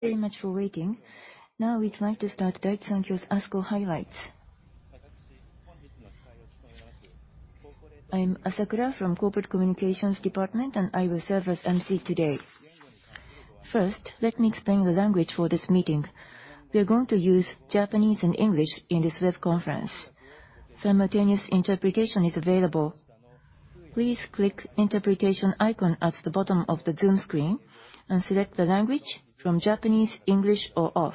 Thank you very much for waiting. Now we'd like to start Daiichi Sankyo's ASCO highlights. I'm Asakura from Corporate Communications Department, and I will serve as emcee today. First, let me explain the language for this meeting. We are going to use Japanese and English in this web conference. Simultaneous interpretation is available. Please click interpretation icon at the bottom of the Zoom screen and select the language from Japanese, English, or off.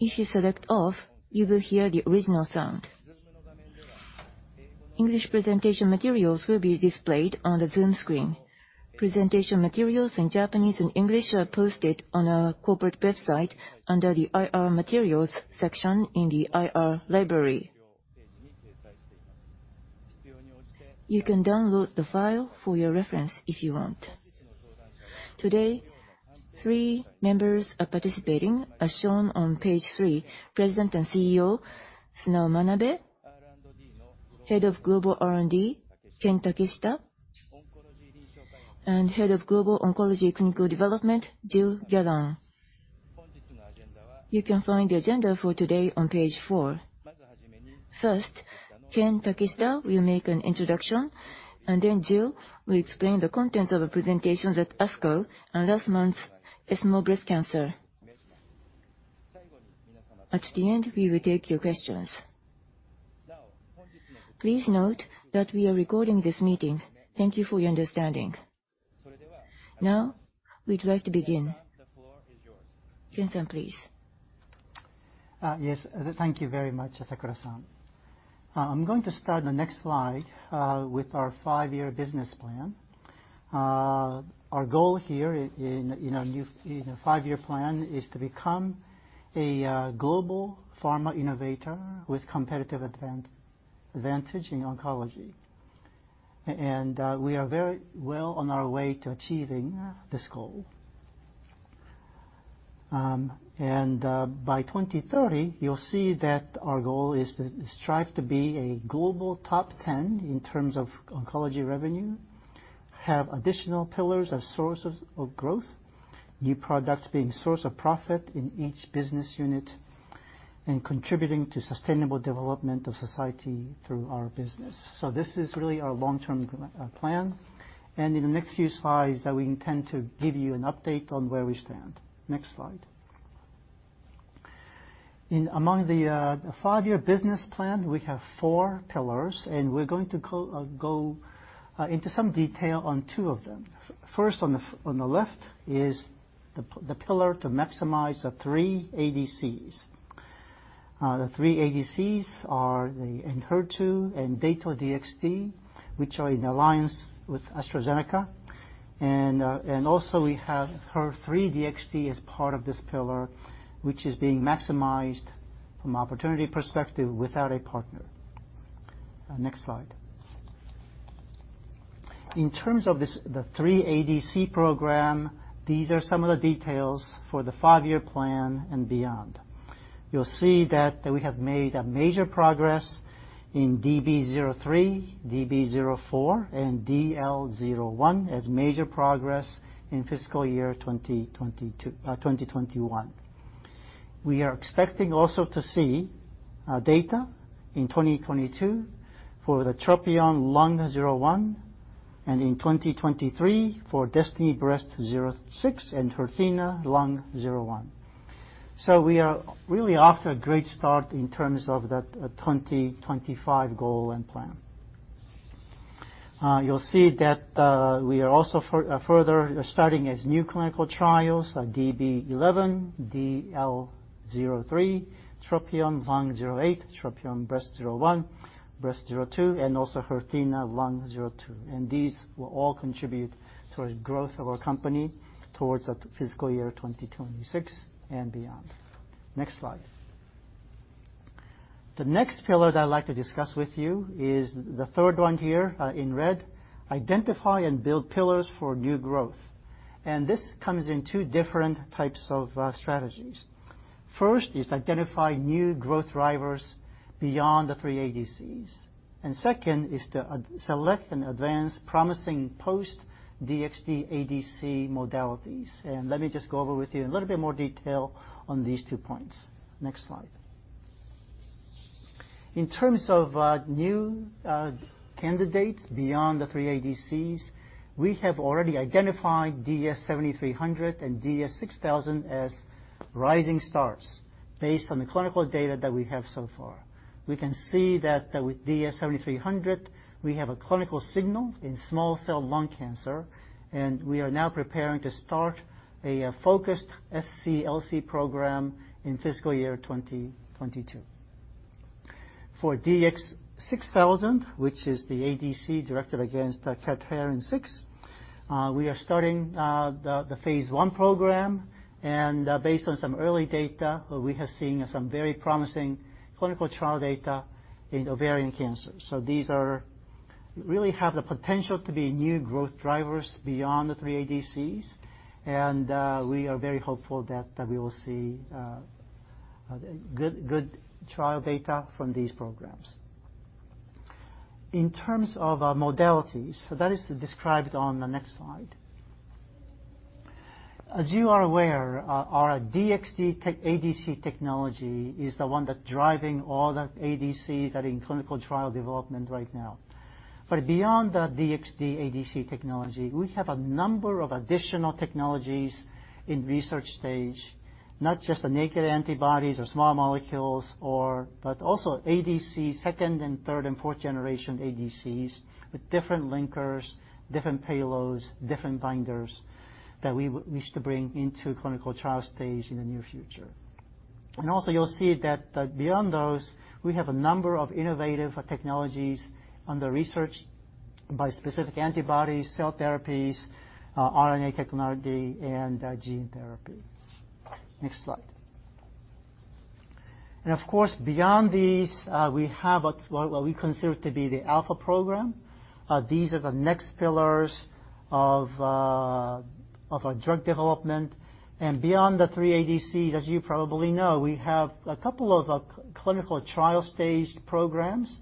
If you select off, you will hear the original sound. English presentation materials will be displayed on the Zoom screen. Presentation materials in Japanese and English are posted on our corporate website under the IR Materials section in the IR Library. You can download the file for your reference if you want. Today, three members are participating as shown on page three. President and CEO, Sunao Manabe, Head of Global R&D, Ken Takeshita, and Head of Global Oncology Clinical Development, Gilles Gallant. You can find the agenda for today on page four. First, Ken Takeshita will make an introduction, and then Gilles will explain the contents of the presentations at ASCO and last month's ESMO Breast Cancer. At the end, we will take your questions. Please note that we are recording this meeting. Thank you for your understanding. Now we'd like to begin. Ken-san, please. Yes. Thank you very much, Asakura-san. I'm going to start the next slide with our five-year business plan. Our goal here in a new five-year plan is to become a global pharma innovator with competitive advantage in oncology. And we are very well on our way to achieving this goal. By 2030, you'll see that our goal is to strive to be a global top 10 in terms of oncology revenue, have additional pillars as sources of growth, new products being source of profit in each business unit, and contributing to sustainable development of society through our business. This is really our long-term plan. In the next few slides, we intend to give you an update on where we stand. Next slide. In the five-year business plan, we have four pillars, and we're going to go into some detail on two of them. First, on the left is the pillar to maximize the three ADCs. The three ADCs are Enhertu and Dato-DXd, which are in alliance with AstraZeneca. Also we have HER3-DXd as part of this pillar, which is being maximized from opportunity perspective without a partner. Next slide. In terms of this the three ADC program, these are some of the details for the five-year plan and beyond. You'll see that we have made a major progress in DB-03, DB-04, and DL-01 as major progress in fiscal year 2021. We are expecting also to see data in 2022 for the TROPION-Lung01, and in 2023 for DESTINY-Breast06 and HERTHENA-Lung01. We are really off to a great start in terms of that 2025 goal and plan. You'll see that we are also further starting a new clinical trials, DB-11, DL-03, TROPION-Lung08, TROPION-Breast01, Breast02, and also HERTHENA-Lung02. These will all contribute to the growth of our company towards fiscal year 2026 and beyond. Next slide. The next pillar that I'd like to discuss with you is the third one here in red, identify and build pillars for new growth. This comes in two different types of strategies. First is to identify new growth drivers beyond the three ADCs, and second is to select and advance promising post-DXd ADC modalities. Let me just go over with you in a little bit more detail on these two points. Next slide. In terms of new candidates beyond the three ADCs, we have already identified DS-7300 and DS-6000 as rising stars based on the clinical data that we have so far. We can see that with DS-7300, we have a clinical signal in small cell lung cancer, and we are now preparing to start a focused SCLC program in fiscal year 2022. For DS-6000, which is the ADC directed against Cadherin-6, we are starting the phase I program. Based on some early data, we have seen some very promising clinical trial data in ovarian cancer. These really have the potential to be new growth drivers beyond the three ADCs. We are very hopeful that we will see good trial data from these programs. In terms of our modalities, that is described on the next slide. As you are aware, our DXd ADC technology is the one that's driving all the ADCs that are in clinical trial development right now. But beyond the DXd ADC technology, we have a number of additional technologies in research stage, not just the naked antibodies or small molecules or but also ADCs, second and third and fourth-generation ADCs with different linkers, different payloads, different binders that we would wish to bring into clinical trial stage in the near future. Also you'll see that beyond those, we have a number of innovative technologies under research, bispecific antibodies, cell therapies, RNA technology and gene therapy. Next slide. Of course, beyond these, we have what we consider to be the ADC program. These are the next pillars of our drug development. Beyond the three ADCs, as you probably know, we have a couple of clinical-stage programs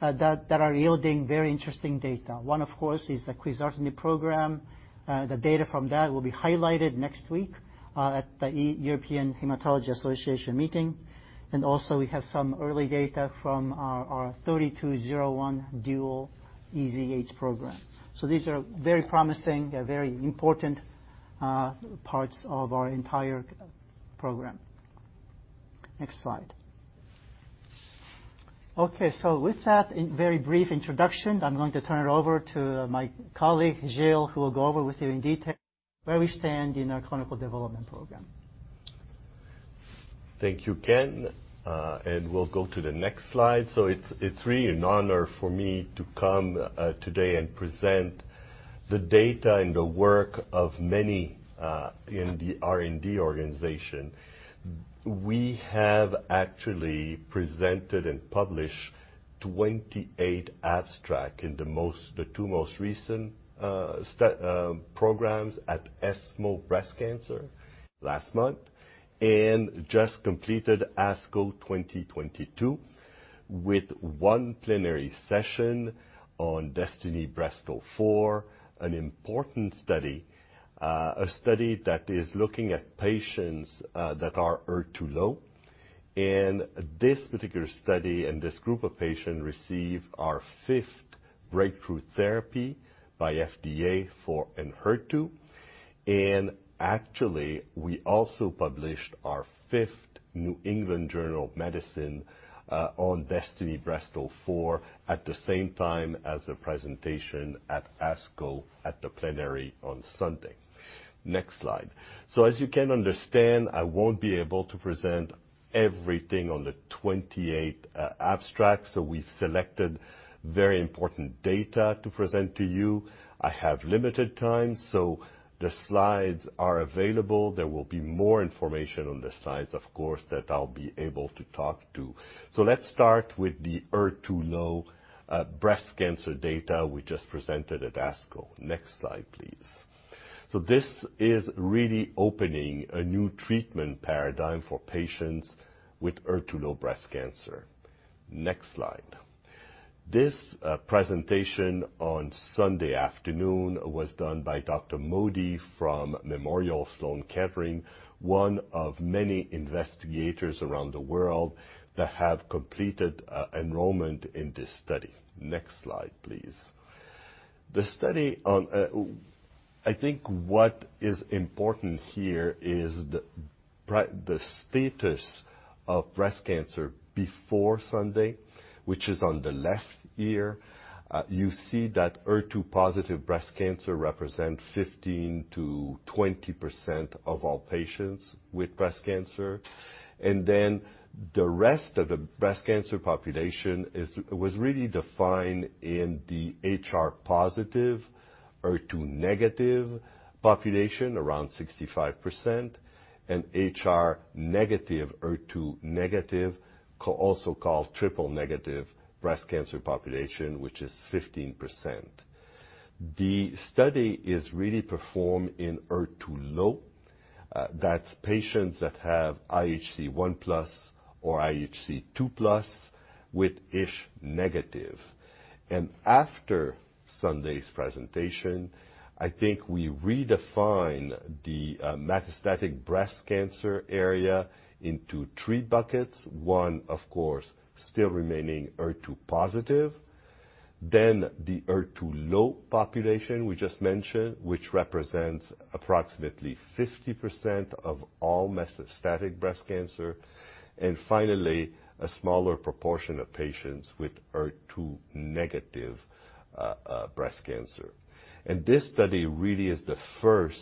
that are yielding very interesting data. One, of course, is the quizartinib program. The data from that will be highlighted next week at the European Hematology Association Meeting. We have some early data from our DS-3201 dual EZH1/2 program. These are very promising. They're very important parts of our entire program. Next slide. Okay. With that very brief introduction, I'm going to turn it over to my colleague, Gilles, who will go over with you in detail where we stand in our clinical development program. Thank you, Ken. We'll go to the next slide. It's really an honor for me to come today and present the data and the work of many in the R&D organization. We have actually presented and published 28 abstracts in the two most recent programs at ESMO Breast Cancer last month, and just completed ASCO 2022 with one plenary session on DESTINY-Breast04, an important study. A study that is looking at patients that are HER2-low. This particular study and this group of patients receive our fifth Breakthrough Therapy by FDA for Enhertu. Actually, we also published our fifth New England Journal of Medicine on DESTINY-Breast04 at the same time as the presentation at ASCO at the plenary on Sunday. Next slide. As you can understand, I won't be able to present everything on the 28 abstract. We selected very important data to present to you. I have limited time, so the slides are available. There will be more information on the slides, of course, that I'll be able to talk to. Let's start with the HER2-low breast cancer data we just presented at ASCO. Next slide, please. This is really opening a new treatment paradigm for patients with HER2-low breast cancer. Next slide. This presentation on Sunday afternoon was done by Dr. Modi from Memorial Sloan Kettering, one of many investigators around the world that have completed enrollment in this study. Next slide, please. I think what is important here is the status of breast cancer before Sunday, which is on the left here. You see that HER2-positive breast cancer represents 15%-20% of all patients with breast cancer. Then the rest of the breast cancer population was really defined in the HR-positive, HER2-negative population, around 65%, and HR-negative, HER2-negative, also called triple-negative breast cancer population, which is 15%. The study is really performed in HER2-low. That's patients that have IHC 1+ or IHC 2+ with ISH negative. After Sunday's presentation, I think we redefine the metastatic breast cancer area into three buckets. One, of course, still remaining HER2-positive, then the HER2-low population we just mentioned, which represents approximately 50% of all metastatic breast cancer, and finally, a smaller proportion of patients with HER2-negative breast cancer. This study really is the first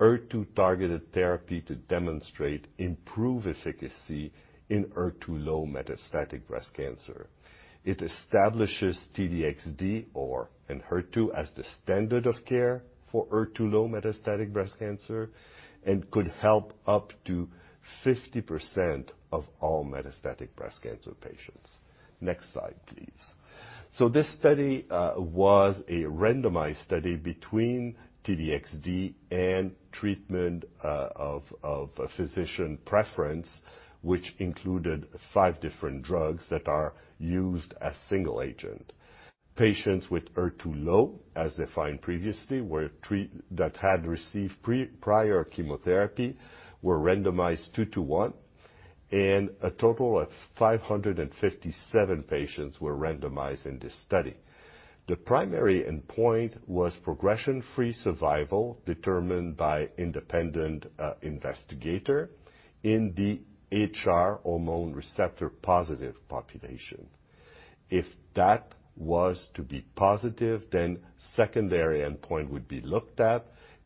HER2-targeted therapy to demonstrate improved efficacy in HER2-low metastatic breast cancer. It establishes T-DXd or Enhertu as the standard of care for HER2-low metastatic breast cancer and could help up to 50% of all metastatic breast cancer patients. Next slide, please. This study was a randomized study between T-DXd and treatment of a physician preference, which included five different drugs that are used as single agent. Patients with HER2-low, as defined previously, that had received prior chemotherapy, were randomized 2 to 1. A total of 557 patients were randomized in this study. The primary endpoint was progression-free survival determined by independent investigator in the HR hormone receptor positive population. If that was to be positive, then secondary endpoint would be looked at,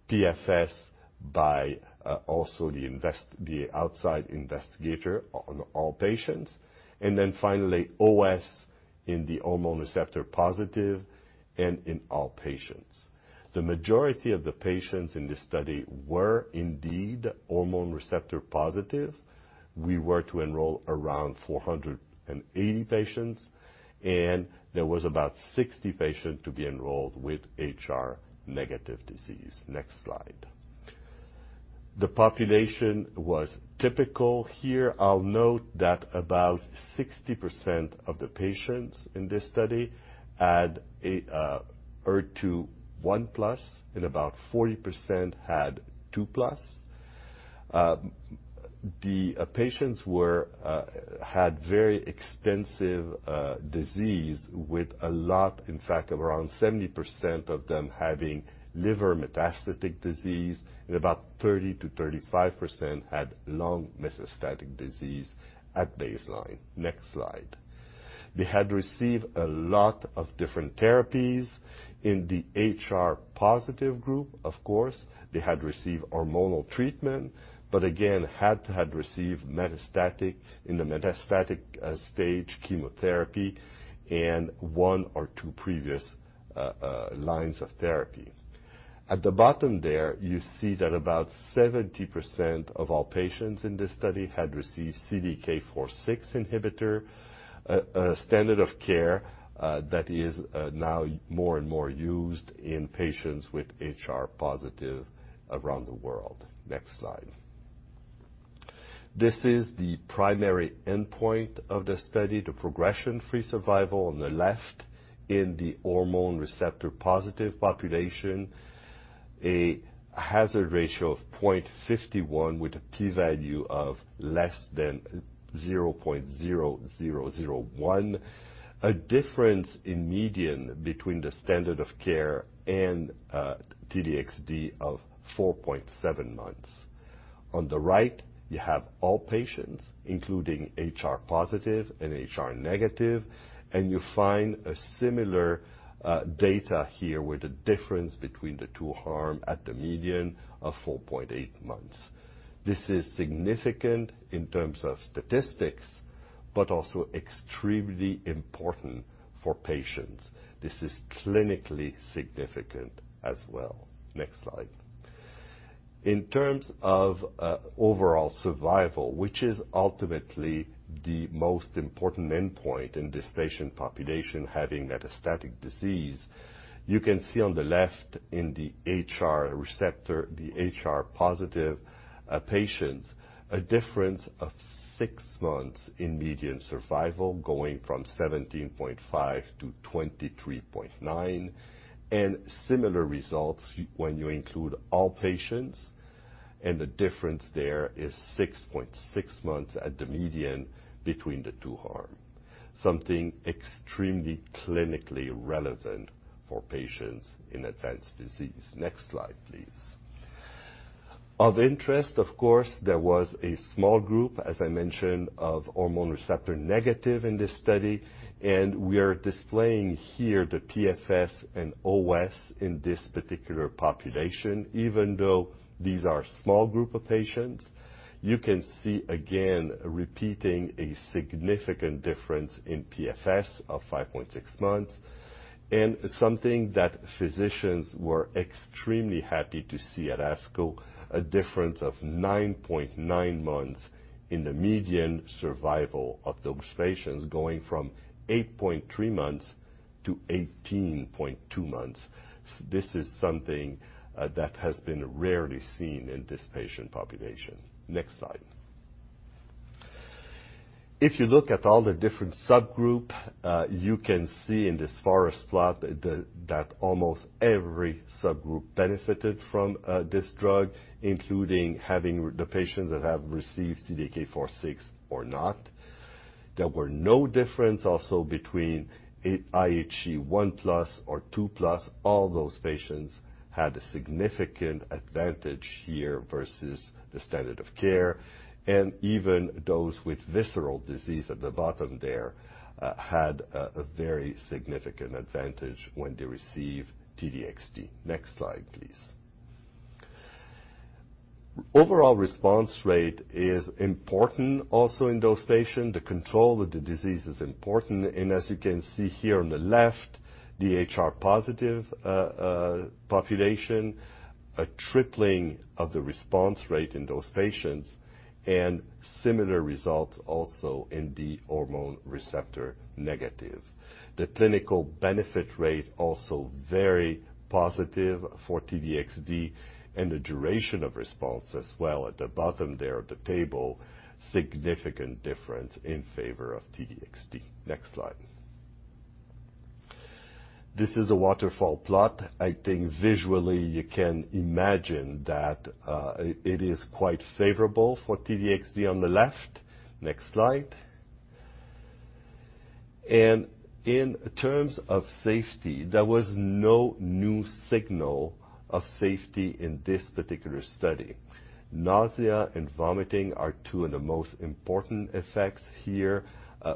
PFS by also the outside investigator on all patients, and then finally, OS in the hormone receptor positive and in all patients. The majority of the patients in this study were indeed hormone receptor positive. We were to enroll around 480 patients, and there was about 60 patients to be enrolled with HR negative disease. Next slide. The population was typical here. I'll note that about 60% of the patients in this study had a HER2 1+ and about 40% had 2+. The patients had very extensive disease with a lot, in fact, around 70% of them having liver metastatic disease, and about 30%-35% had lung metastatic disease at baseline. Next slide. They had received a lot of different therapies. In the HR-positive group, of course, they had received hormonal treatment, but again, had received, in the metastatic stage, chemotherapy and one or two previous lines of therapy. At the bottom there, you see that about 70% of all patients in this study had received CDK4/6 inhibitor, a standard of care, that is, now more and more used in patients with HR-positive around the world. Next slide. This is the primary endpoint of the study, the progression-free survival on the left in the hormone receptor-positive population, a hazard ratio of 0.51 with a p-value of less than 0.0001. A difference in median between the standard of care and T-DXd of 4.7 months. On the right, you have all patients, including HR-positive and HR-negative, and you find a similar data here with the difference between the two arms at the median of 4.8 months. This is significant in terms of statistics, but also extremely important for patients. This is clinically significant as well. Next slide. In terms of overall survival, which is ultimately the most important endpoint in this patient population having metastatic disease, you can see on the left in the HR-positive patients, a difference of six months in median survival going from 17.5 to 23.9. Similar results when you include all patients, and the difference there is 6.6 months at the median between the two arms. Something extremely clinically relevant for patients in advanced disease. Next slide, please. Of interest, of course, there was a small group, as I mentioned, of hormone receptor negative in this study, and we are displaying here the PFS and OS in this particular population. Even though these are a small group of patients, you can see again repeating a significant difference in PFS of 5.6 months and something that physicians were extremely happy to see at ASCO, a difference of 9.9 months in the median survival of those patients going from 8.3 months to 18.2 months. This is something that has been rarely seen in this patient population. Next slide. If you look at all the different subgroup, you can see in this forest plot that almost every subgroup benefited from this drug, including having the patients that have received CDK 4/6 or not. There were no difference also between IHC 1+ or 2+. All those patients had a significant advantage here versus the standard of care. Even those with visceral disease at the bottom there had a very significant advantage when they received T-DXd. Next slide, please. Overall response rate is important also in those patients. The control of the disease is important. As you can see here on the left, the HR-positive population, a tripling of the response rate in those patients and similar results also in the hormone receptor negative. The clinical benefit rate also very positive for T-DXd and the duration of response as well. At the bottom there of the table, significant difference in favor of T-DXd. Next slide. This is a waterfall plot. I think visually you can imagine that it is quite favorable for T-DXd on the left. Next slide. In terms of safety, there was no new signal of safety in this particular study. Nausea and vomiting are two of the most important effects here.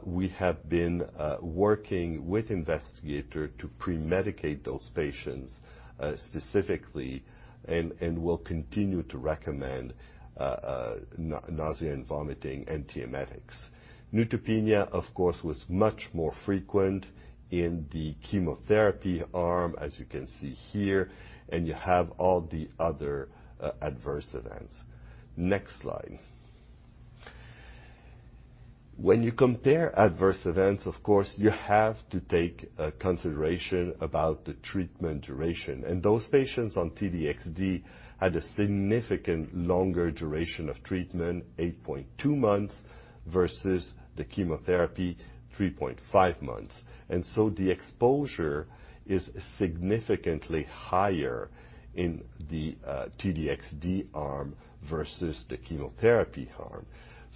We have been working with investigator to pre-medicate those patients specifically and will continue to recommend nausea and vomiting antiemetics. Neutropenia, of course, was much more frequent in the chemotherapy arm, as you can see here, and you have all the other adverse events. Next slide. When you compare adverse events, of course you have to take consideration about the treatment duration, and those patients on T-DXd had a significant longer duration of treatment, 8.2 months, versus the chemotherapy, 3.5 months. The exposure is significantly higher in the T-DXd arm versus the chemotherapy arm.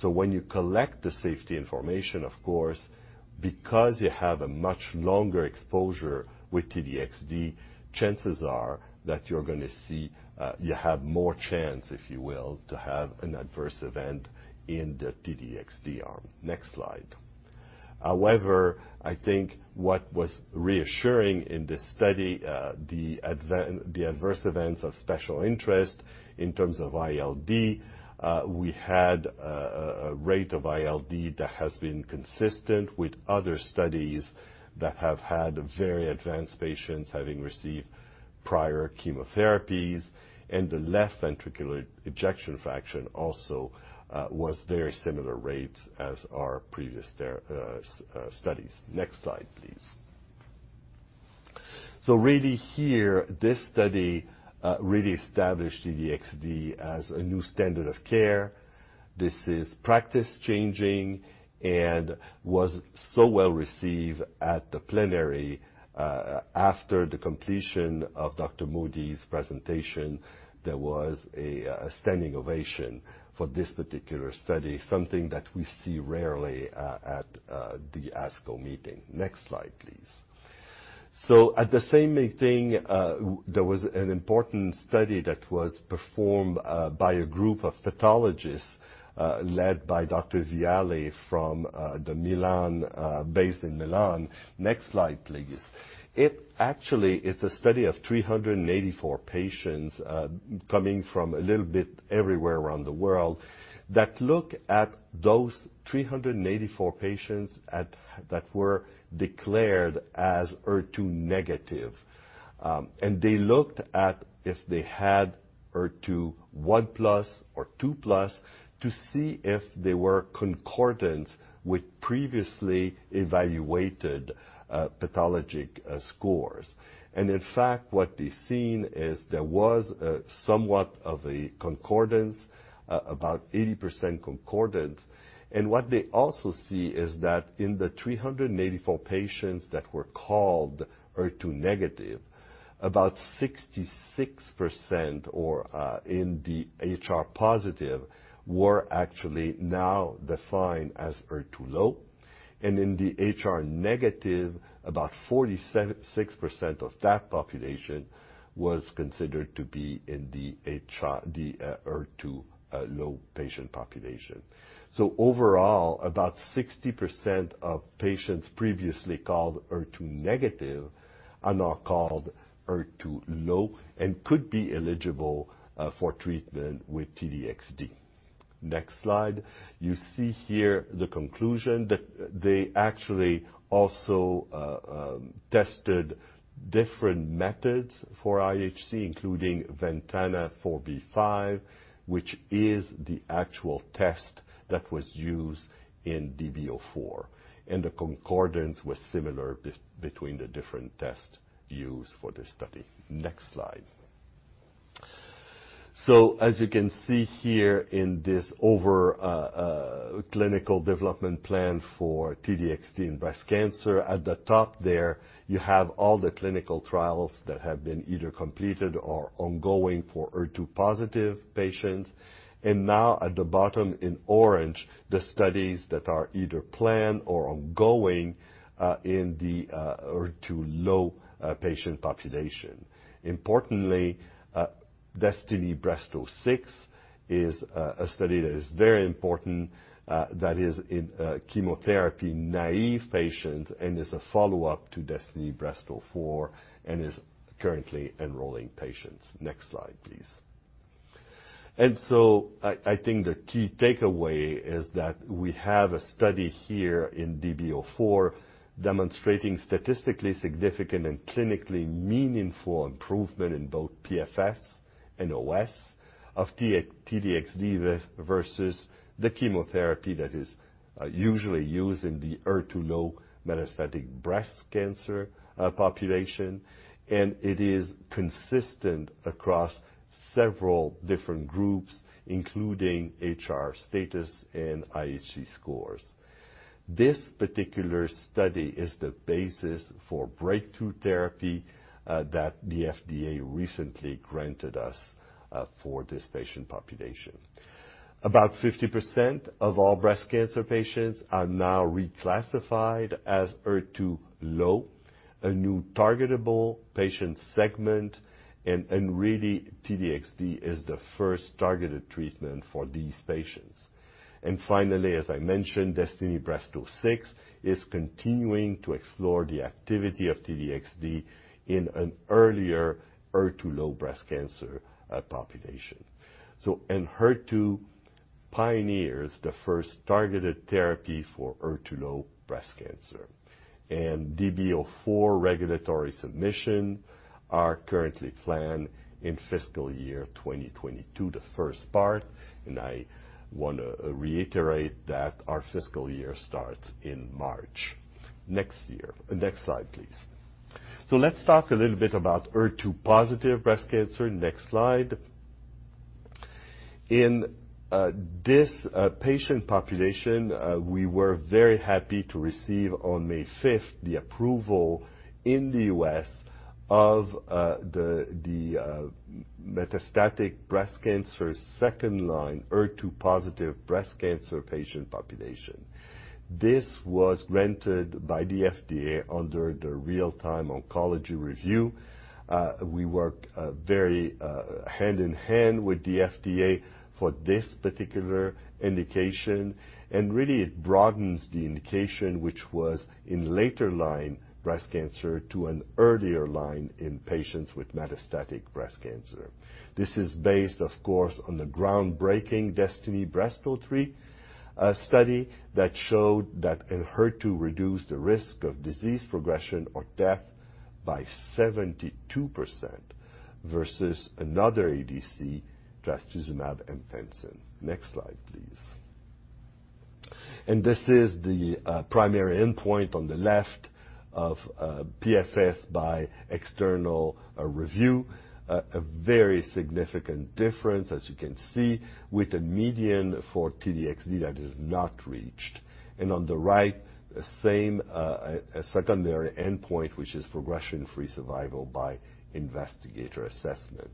When you collect the safety information, of course, because you have a much longer exposure with T-DXd, chances are that you're gonna see you have more chance, if you will, to have an adverse event in the T-DXd arm. Next slide. However, I think what was reassuring in this study, the adverse events of special interest in terms of ILD, we had a rate of ILD that has been consistent with other studies that have had very advanced patients having received prior chemotherapies, and the left ventricular ejection fraction also was very similar rates as our previous studies. Next slide, please. Really here, this study really established T-DXd as a new standard of care. This is practice-changing and was so well-received at the plenary. After the completion of Dr. Modi's presentation, there was a standing ovation for this particular study, something that we see rarely at the ASCO meeting. Next slide, please. At the same meeting, there was an important study that was performed by a group of pathologists led by Dr. Viale from the Milan based in Milan. Next slide, please. It actually is a study of 384 patients coming from a little bit everywhere around the world that look at those 384 patients that were declared as HER2-negative. They looked at if they had HER2 1+ or 2+ to see if they were concordant with previously evaluated pathologic scores. In fact, what they seen is there was somewhat of a concordance about 80% concordance. What they also see is that in the 384 patients that were called HER2-negative, about 66% in the HR-positive were actually now defined as HER2-low. In the HR-negative, about 46% of that population was considered to be in the HR, the HER2-low patient population. Overall, about 60% of patients previously called HER2-negative are now called HER2-low and could be eligible for treatment with T-DXd. Next slide. You see here the conclusion that they actually also tested different methods for IHC, including VENTANA 4B5, which is the actual test that was used in DB-04. The concordance was similar between the different tests used for this study. Next slide. As you can see here in this overview, clinical development plan for T-DXd in breast cancer, at the top there you have all the clinical trials that have been either completed or ongoing for HER2 positive patients. Now at the bottom in orange, the studies that are either planned or ongoing in the HER2 low patient population. Importantly, DESTINY-Breast06 is a study that is very important, that is in chemotherapy-naive patients and is a follow-up to DESTINY-Breast04 and is currently enrolling patients. Next slide, please. I think the key takeaway is that we have a study here in DB-04 demonstrating statistically significant and clinically meaningful improvement in both PFS and OS of T-DXd versus the chemotherapy that is usually used in the HER2 low metastatic breast cancer population. It is consistent across several different groups, including HR status and IHC scores. This particular study is the basis for Breakthrough Therapy that the FDA recently granted us for this patient population. About 50% of all breast cancer patients are now reclassified as HER2-low, a new targetable patient segment and really, T-DXd is the first targeted treatment for these patients. As I mentioned, DESTINY-Breast06 is continuing to explore the activity of T-DXd in an earlier HER2-low breast cancer population. Enhertu is the first targeted therapy for HER2-low breast cancer. DB04 regulatory submission are currently planned in fiscal year 2022, the first part, and I wanna reiterate that our fiscal year starts in March next year. Next slide, please. Let's talk a little bit about HER2-positive breast cancer. Next slide. In this patient population we were very happy to receive on May fifth the approval in the U.S. of the metastatic breast cancer second line HER2-positive breast cancer patient population. This was granted by the FDA under the Real-Time Oncology Review. We work very hand in hand with the FDA for this particular indication, and really it broadens the indication which was in later line breast cancer to an earlier line in patients with metastatic breast cancer. This is based, of course, on the groundbreaking DESTINY-Breast03, a study that showed that Enhertu reduced the risk of disease progression or death by 72% versus another ADC, trastuzumab emtansine. Next slide, please. This is the primary endpoint on the left of PFS by external review. A very significant difference, as you can see, with a median for T-DXd that is not reached. On the right, the same secondary endpoint, which is progression-free survival by investigator assessment.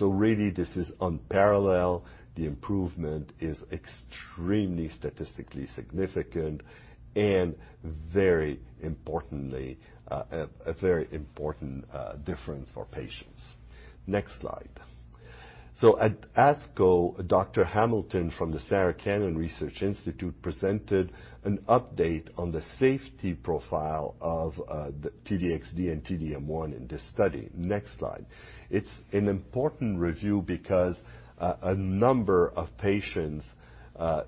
Really this is unparalleled. The improvement is extremely statistically significant and very importantly, a very important difference for patients. Next slide. At ASCO, Dr. Hamilton from the Sarah Cannon Research Institute presented an update on the safety profile of the T-DXd and T-DM1 in this study. Next slide. It's an important review because a number of patients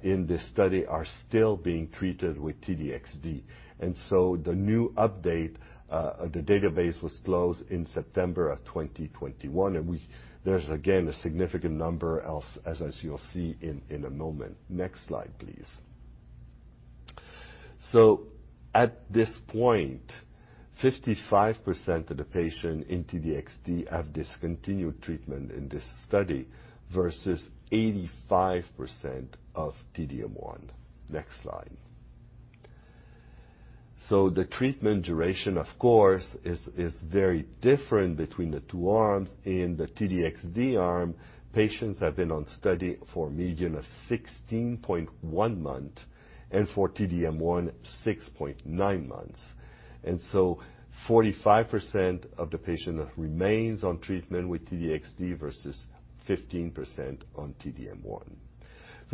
in this study are still being treated with T-DXd. The new update, the database was closed in September of 2021, and there's again a significant number as you'll see in a moment. Next slide, please. At this point, 55% of the patients in T-DXd have discontinued treatment in this study versus 85% of T-DM1. Next slide. The treatment duration, of course, is very different between the two arms. In the T-DXd arm, patients have been on study for a median of 16.1 months, and for T-DM1, 6.9 months. 45% of the patients remain on treatment with T-DXd versus 15% on T-DM1.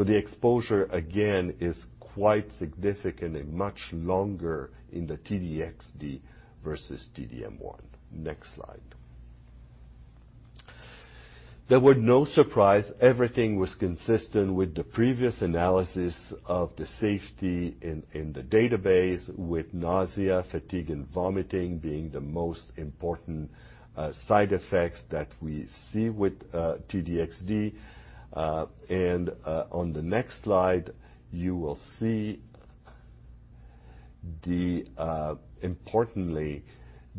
The exposure again is quite significant and much longer in the T-DXd versus T-DM1. Next slide. There were no surprises. Everything was consistent with the previous analysis of the safety in the database with nausea, fatigue, and vomiting being the most important side effects that we see with T-DXd. On the next slide, you will see importantly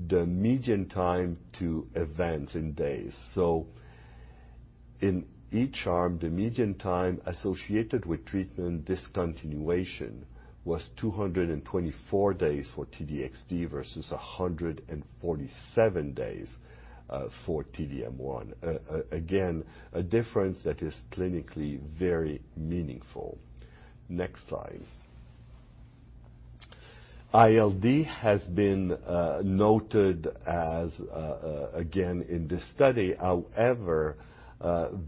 the median time to events in days. In each arm, the median time associated with treatment discontinuation was 224 days for T-DXd versus 147 days for T-DM1. Again, a difference that is clinically very meaningful. Next slide. ILD has been noted as again in this study. However,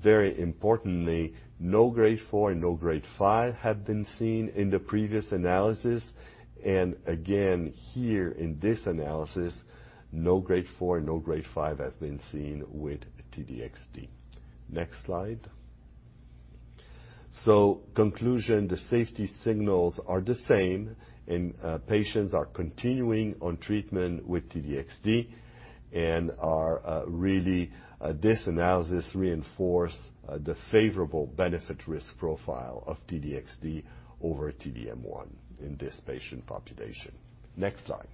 very importantly, no grade four and no grade five have been seen in the previous analysis. Again, here in this analysis, no grade four and no grade five has been seen with T-DXd. Next slide. Conclusion, the safety signals are the same, and patients are continuing on treatment with T-DXd and are really this analysis reinforce the favorable benefit-risk profile of T-DXd over T-DM1 in this patient population. Next slide.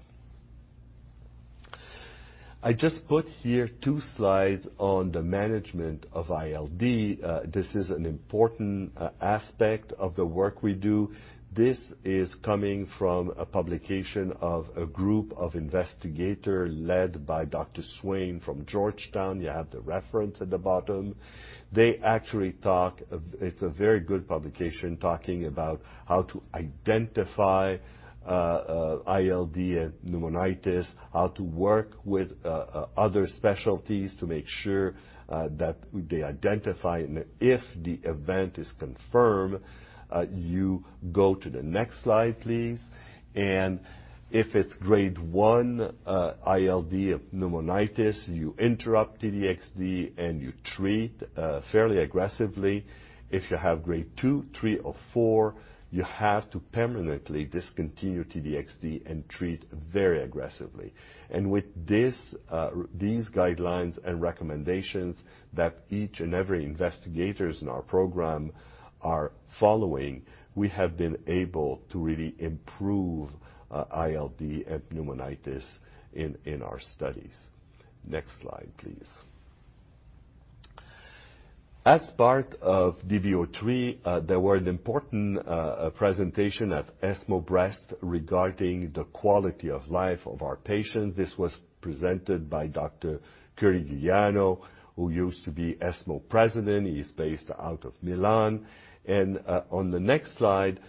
I just put here two slides on the management of ILD. This is an important aspect of the work we do. This is coming from a publication of a group of investigators led by Dr. Swain from Georgetown. You have the reference at the bottom. They actually talk. It's a very good publication talking about how to identify ILD and pneumonitis, how to work with other specialties to make sure that they identify. If the event is confirmed, you go to the next slide, please. If it's grade one ILD or pneumonitis, you interrupt T-DXd and you treat fairly aggressively. If you have grade two, three, or four, you have to permanently discontinue T-DXd and treat very aggressively. With this, these guidelines and recommendations that each and every investigators in our program are following, we have been able to really improve ILD and pneumonitis in our studies. Next slide, please. As part of DB-03, there were an important presentation at ESMO Breast Cancer regarding the quality of life of our patients. This was presented by Dr. Curigliano, who used to be ESMO president. He is based out of Milan. On the next slide,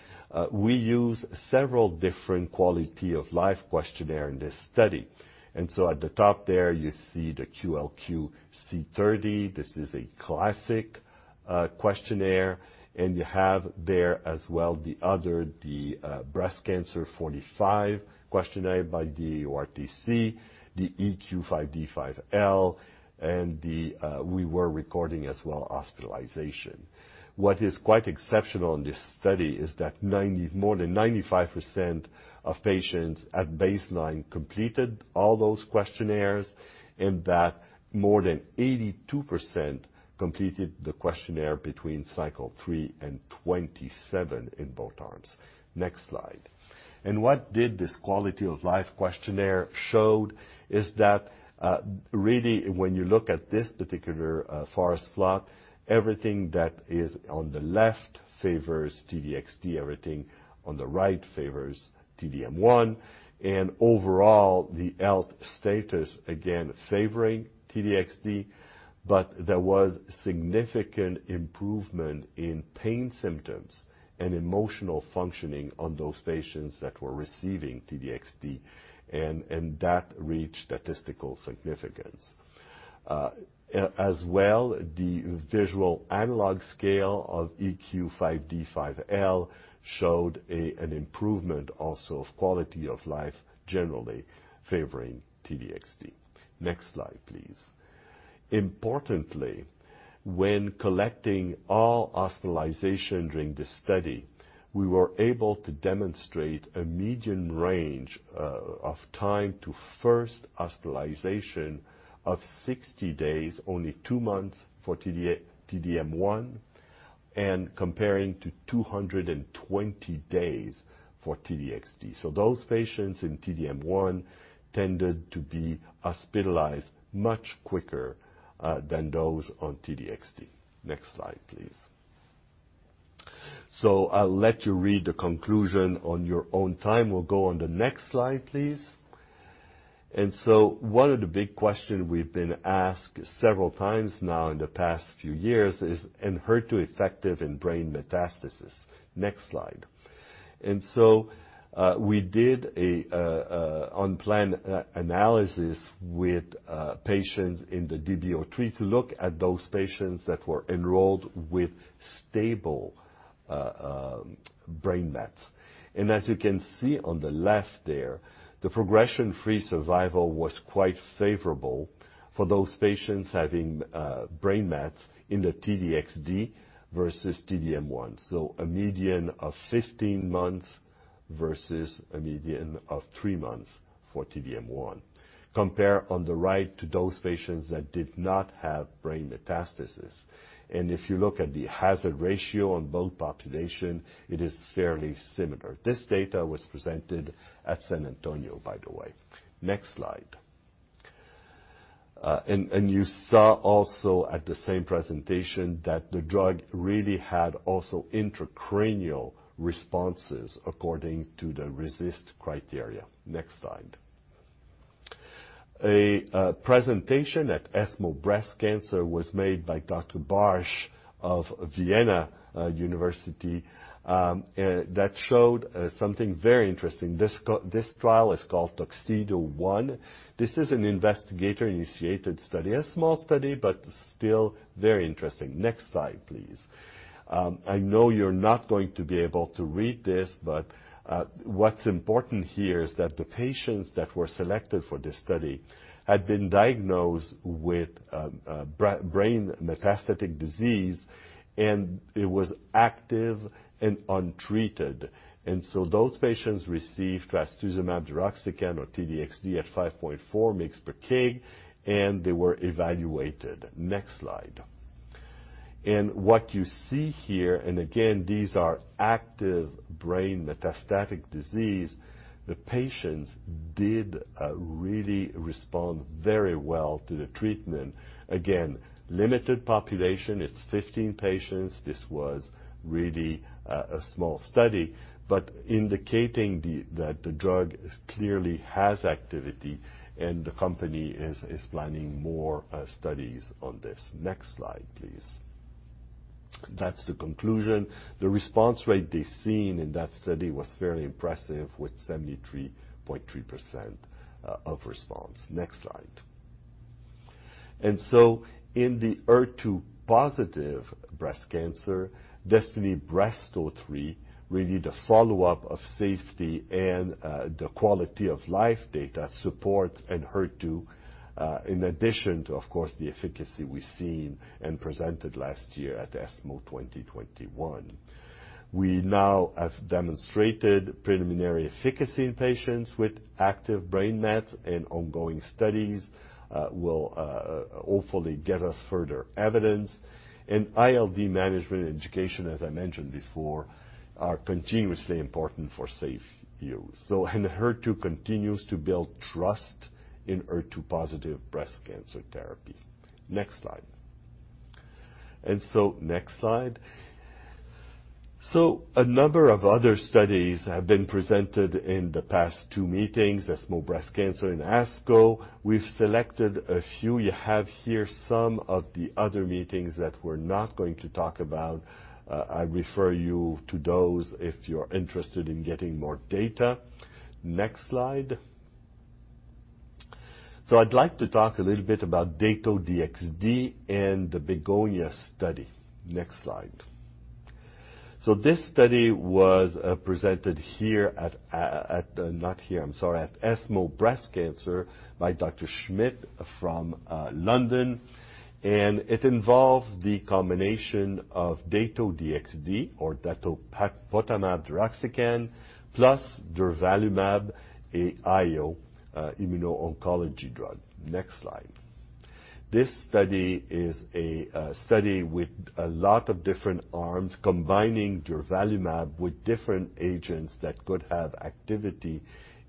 we use several different quality of life questionnaire in this study. At the top there, you see the QLQ-C30. This is a classic questionnaire. You have there as well the other, the breast cancer 45 questionnaire by the EORTC, the EQ-5D-5L, and we were recording as well hospitalization. What is quite exceptional in this study is that 90, more than 95% of patients at baseline completed all those questionnaires and that more than 82% completed the questionnaire between cycle three and 27 in both arms. Next slide. What did this quality of life questionnaire showed is that, really when you look at this particular, forest plot, everything that is on the left favors T-DXd, everything on the right favors T-DM1, and overall the health status again favoring T-DXd. There was significant improvement in pain symptoms and emotional functioning on those patients that were receiving T-DXd, and that reached statistical significance. As well, the visual analog scale of EQ-5D-5L showed an improvement also of quality of life generally favoring T-DXd. Next slide, please. Importantly, when collecting all hospitalization during this study, we were able to demonstrate a median range of time to first hospitalization of 60 days, only two months for T-DXd, T-DM1, and comparing to 220 days for T-DXd. Those patients in T-DM1 tended to be hospitalized much quicker than those on T-DXd. Next slide, please. I'll let you read the conclusion on your own time. We'll go on the next slide, please. One of the big question we've been asked several times now in the past few years is, Enhertu effective in brain metastasis? Next slide. We did an unplanned analysis with patients in the DB-03 to look at those patients that were enrolled with stable brain mets. As you can see on the left there, the progression-free survival was quite favorable for those patients having brain mets in the T-DXd versus T-DM1. A median of 15 months versus a median of three months for T-DM1. Compare on the right to those patients that did not have brain metastasis. If you look at the hazard ratio on both population, it is fairly similar. This data was presented at San Antonio, by the way. Next slide. You saw also at the same presentation that the drug really had also intracranial responses according to the RECIST criteria. Next slide. A presentation at ESMO Breast Cancer was made by Dr. Bartsch of Vienna University that showed something very interesting. This trial is called TUXEDO-1. This is an investigator-initiated study, a small study, but still very interesting. Next slide, please. I know you're not going to be able to read this, but what's important here is that the patients that were selected for this study had been diagnosed with brain metastatic disease, and it was active and untreated. Those patients received trastuzumab deruxtecan or T-DXd at 5.4 mg/kg, and they were evaluated. Next slide. What you see here, and again, these are active brain metastatic disease, the patients did really respond very well to the treatment. Again, limited population. It's 15 patients. This was really a small study, but indicating that the drug clearly has activity, and the company is planning more studies on this. Next slide, please. That's the conclusion. The response rate they seen in that study was fairly impressive with 73.3% of response. Next slide. In the HER2-positive breast cancer, DESTINY-Breast03, really the follow-up of safety and the quality of life data supports Enhertu in addition to, of course, the efficacy we've seen and presented last year at ESMO 2021. We now have demonstrated preliminary efficacy in patients with active brain mets, and ongoing studies will hopefully get us further evidence. ILD management education, as I mentioned before, are continuously important for safe use. Enhertu continues to build trust in HER2-positive breast cancer therapy. Next slide. Next slide. A number of other studies have been presented in the past two meetings, ESMO Breast Cancer and ASCO. We've selected a few. You have here some of the other meetings that we're not going to talk about. I refer you to those if you're interested in getting more data. Next slide. I'd like to talk a little bit about Dato-DXd and the BEGONIA study. Next slide. This study was presented at ESMO Breast Cancer by Dr. Schmid from London. It involves the combination of Dato-DXd or Datopotamab deruxtecan plus durvalumab, a IO immuno-oncology drug. Next slide. This study is a study with a lot of different arms combining durvalumab with different agents that could have activity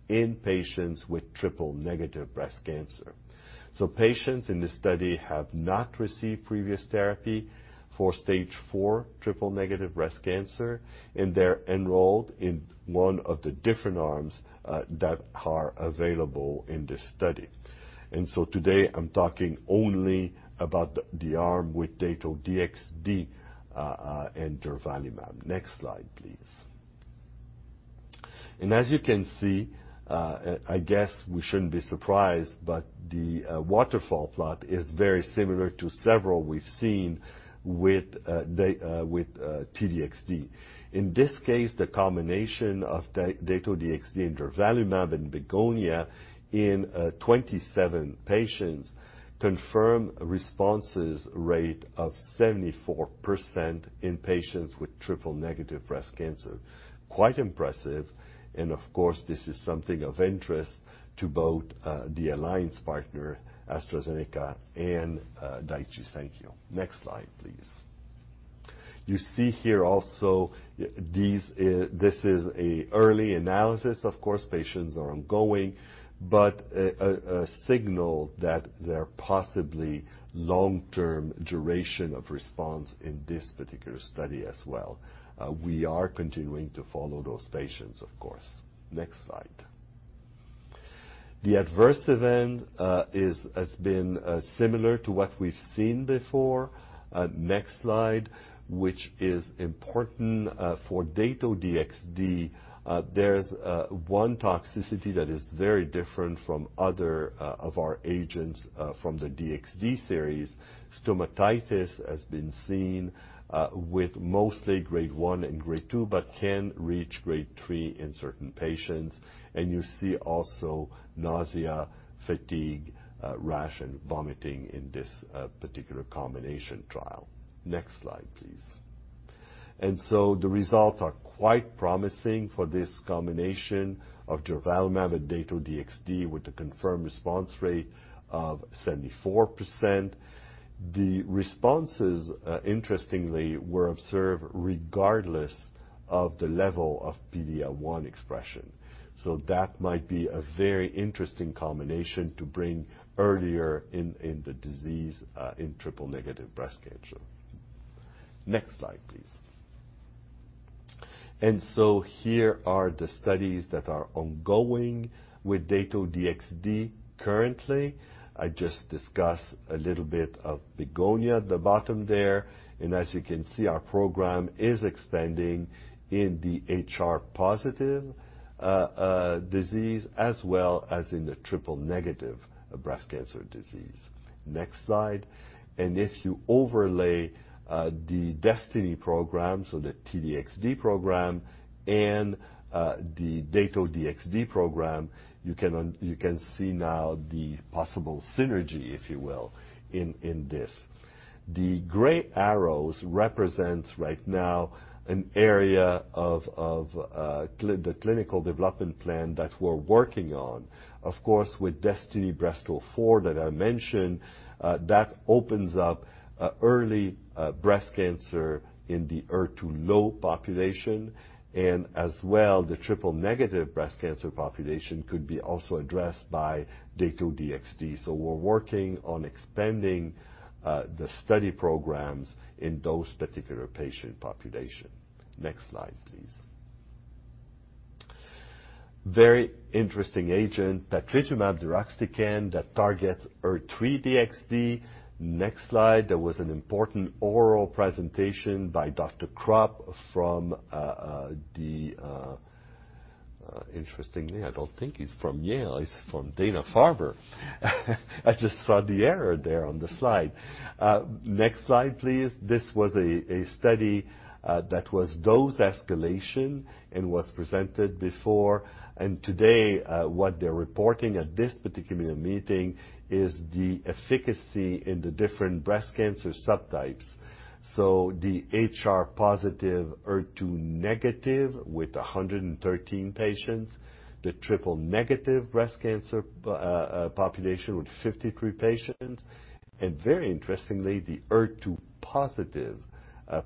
in patients with triple-negative breast cancer. Patients in this study have not received previous therapy for stage four triple-negative breast cancer, and they're enrolled in one of the different arms that are available in this study. Today I'm talking only about the arm with Dato-DXd and durvalumab. Next slide, please. As you can see, I guess we shouldn't be surprised, but the waterfall plot is very similar to several we've seen with T-DXd. In this case, the combination of Dato-DXd and durvalumab in BEGONIA in 27 patients confirm responses rate of 74% in patients with triple-negative breast cancer. Quite impressive, and of course, this is something of interest to both the alliance partner, AstraZeneca and Daiichi Sankyo. Next slide, please. You see here also these, this is an early analysis. Of course, patients are ongoing, but a signal that there are possibly long-term duration of response in this particular study as well. We are continuing to follow those patients, of course. Next slide. The adverse event is has been similar to what we've seen before. Next slide, which is important, for Dato-DXd. There's one toxicity that is very different from other of our agents, from the DXd series. Stomatitis has been seen, with mostly grade one and grade two but can reach grade three in certain patients. You see also nausea, fatigue, rash, and vomiting in this particular combination trial. Next slide, please. The results are quite promising for this combination of durvalumab and Dato-DXd with a confirmed response rate of 74%. The responses, interestingly, were observed regardless of the level of PD-L1 expression. That might be a very interesting combination to bring earlier in the disease, in triple-negative breast cancer. Next slide, please. Here are the studies that are ongoing with Dato-DXd currently. I just discussed a little bit of BEGONIA at the bottom there. As you can see, our program is expanding in the HR-positive disease as well as in the triple-negative breast cancer disease. Next slide. If you overlay the DESTINY program, so the T-DXd program and the Dato-DXd program, you can see now the possible synergy, if you will, in this. The gray arrows represents right now an area of the clinical development plan that we're working on. Of course, with DESTINY-Breast04 that I mentioned, that opens up early breast cancer in the HER2-low population. As well, the triple-negative breast cancer population could be also addressed by Dato-DXd. We're working on expanding the study programs in those particular patient population. Next slide, please. Very interesting agent, Patritumab deruxtecan, that targets HER3-DXd. Next slide. There was an important oral presentation by Dr. Krop from, interestingly, I don't think he's from Yale. He's from Dana-Farber. I just saw the error there on the slide. Next slide, please. This was a study that was dose escalation and was presented before. Today, what they're reporting at this particular meeting is the efficacy in the different breast cancer subtypes. The HR-positive, HER2-negative with 113 patients, the triple-negative breast cancer population with 53 patients, and very interestingly, the HER2-positive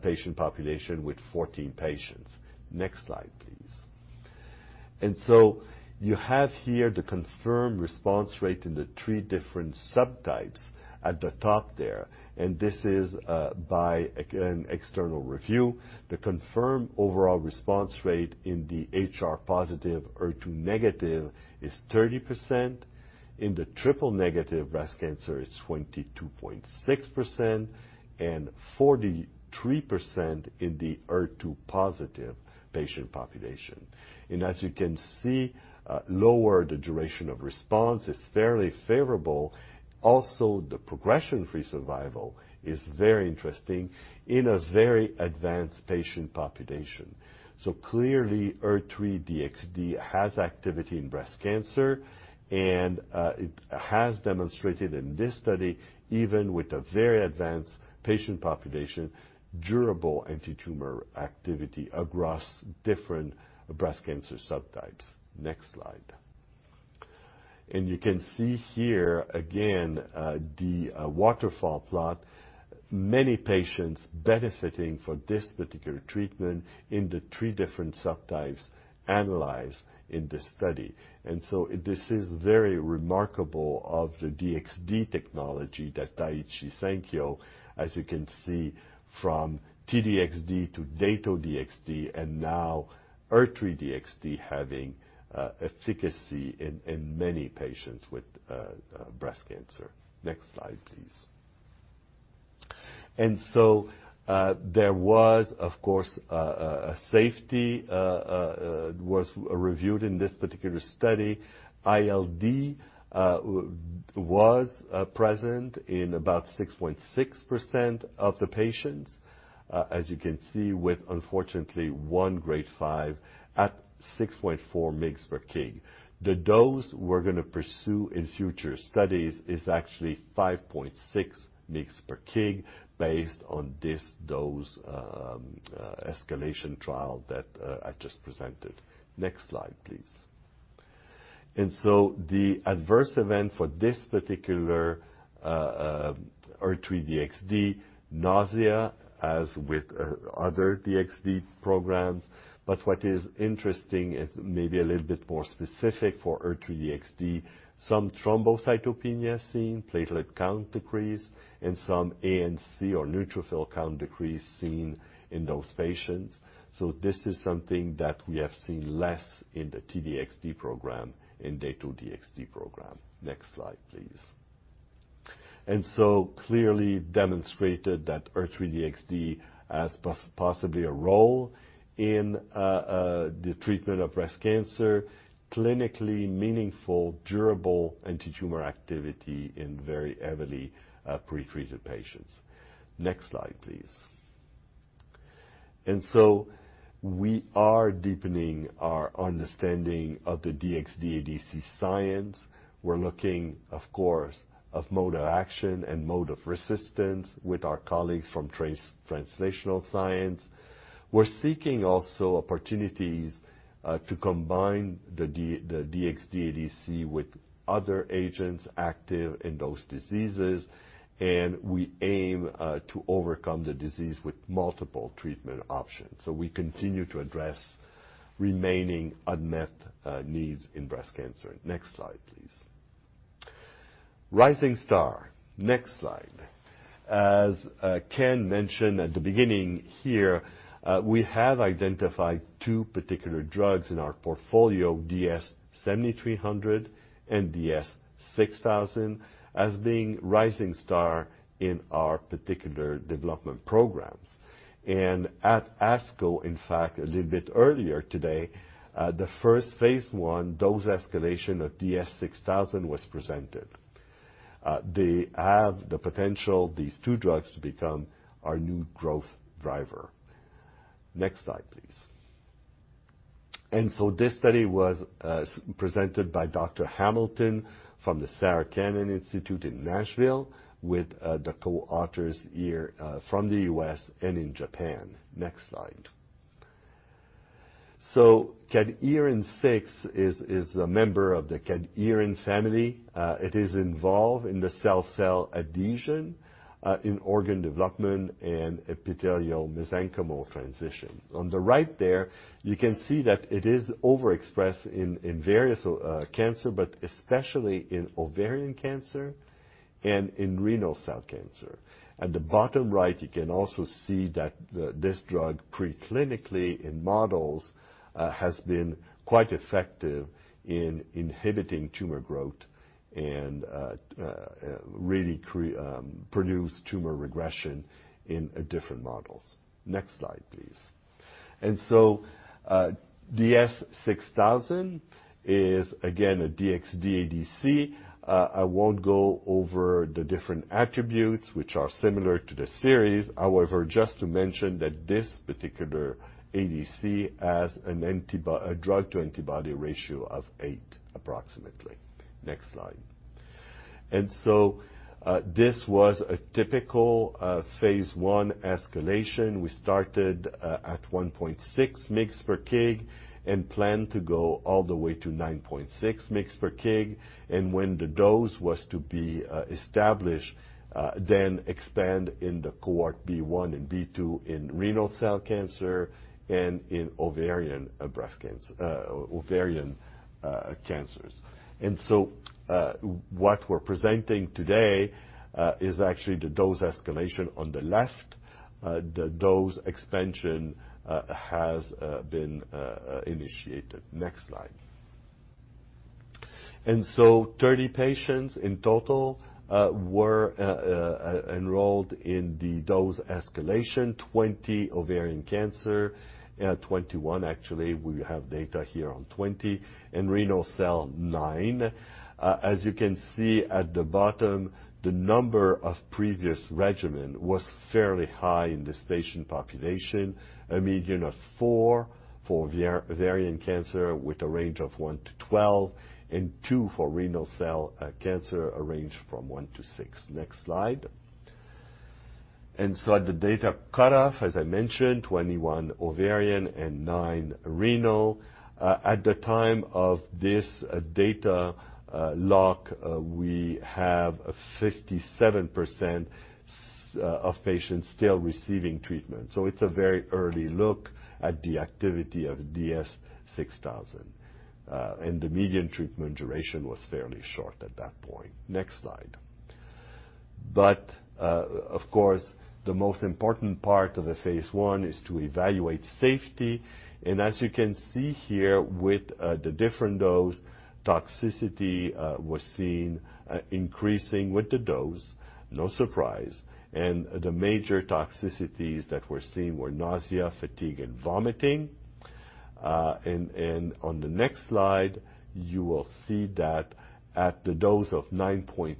patient population with 14 patients. Next slide, please. You have here the confirmed response rate in the three different subtypes at the top there, and this is, by, again, external review. The confirmed overall response rate in the HR-positive, HER2-negative is 30%. In the triple-negative breast cancer, it's 22.6% and 43% in the HER2 positive patient population. As you can see, overall the duration of response is fairly favorable. Also, the progression-free survival is very interesting in a very advanced patient population. Clearly, HER3-DXd has activity in breast cancer, and it has demonstrated in this study, even with a very advanced patient population, durable antitumor activity across different breast cancer subtypes. Next slide. You can see here again, the waterfall plot, many patients benefiting from this particular treatment in the three different subtypes analyzed in this study. This is very remarkable of the DXd technology that Daiichi Sankyo, as you can see from T-DXd to Dato-DXd, and now HER3-DXd having efficacy in many patients with breast cancer. Next slide, please. There was, of course, a safety was reviewed in this particular study. ILD was present in about 6.6% of the patients, as you can see, with unfortunately one grade five at 6.4 mg/kg. The dose we're gonna pursue in future studies is actually 5.6 mg/kg based on this dose escalation trial that I just presented. Next slide, please. The adverse event for this particular HER3-DXd, nausea, as with other DXd programs. But what is interesting is maybe a little bit more specific for HER3-DXd, some thrombocytopenia seen, platelet count decrease, and some ANC or neutrophil count decrease seen in those patients. This is something that we have seen less in the T-DXd program and Dato-DXd program. Next slide, please. Clearly demonstrated that HER3-DXd has possibly a role in the treatment of breast cancer, clinically meaningful, durable antitumor activity in very heavily pretreated patients. Next slide, please. We are deepening our understanding of the DXd ADC science. We're looking, of course, of mode of action and mode of resistance with our colleagues from translational science. We're seeking also opportunities to combine the DXd ADC with other agents active in those diseases, and we aim to overcome the disease with multiple treatment options. We continue to address remaining unmet needs in breast cancer. Next slide, please. Rising star. Next slide. As Ken mentioned at the beginning here, we have identified two particular drugs in our portfolio, DS-7300 and DS-6000, as being rising stars in our particular development programs. At ASCO, in fact, a little bit earlier today, the first phase I dose escalation of DS-6000 was presented. They have the potential, these two drugs, to become our new growth driver. Next slide, please. This study was presented by Dr. Hamilton from the Sarah Cannon Research Institute in Nashville with the co-authors here from the U.S. and in Japan. Next slide. Cadherin-6 is a member of the cadherin family. It is involved in the cell-cell adhesion in organ development and epithelial-mesenchymal transition. On the right there, you can see that it is overexpressed in various cancer, but especially in ovarian cancer and in renal cell cancer. At the bottom right, you can also see that this drug preclinically in models has been quite effective in inhibiting tumor growth and really produce tumor regression in different models. Next slide, please. DS-6000 is again a DXd ADC. I won't go over the different attributes which are similar to the series. However, just to mention that this particular ADC has a drug-to-antibody ratio of eight, approximately. Next slide. This was a typical phase I escalation. We started at 1.6 mg/kg and planned to go all the way to 9.6 mg/kg. When the dose was to be established, then expand in the cohort B1 and B2 in renal cell cancer and in ovarian and breast cancer, ovarian cancers. What we're presenting today is actually the dose escalation on the left. The dose expansion has been initiated. Next slide. 30 patients in total were enrolled in the dose escalation, 20 ovarian cancer. 21 actually. We have data here on 20. In renal cell, nine. As you can see at the bottom, the number of previous regimen was fairly high in this patient population. A median of four for ovarian cancer with a range of 1-12, and two for renal cell cancer, a range from 1-6. Next slide. At the data cutoff, as I mentioned, 21 ovarian and nine renal. At the time of this data lock, we have 57% of patients still receiving treatment. It's a very early look at the activity of DS-6000. The median treatment duration was fairly short at that point. Next slide. Of course, the most important part of the phase I is to evaluate safety. As you can see here with the different dose, toxicity was seen increasing with the dose. No surprise. The major toxicities that we're seeing were nausea, fatigue and vomiting. On the next slide, you will see that at the dose of 9.6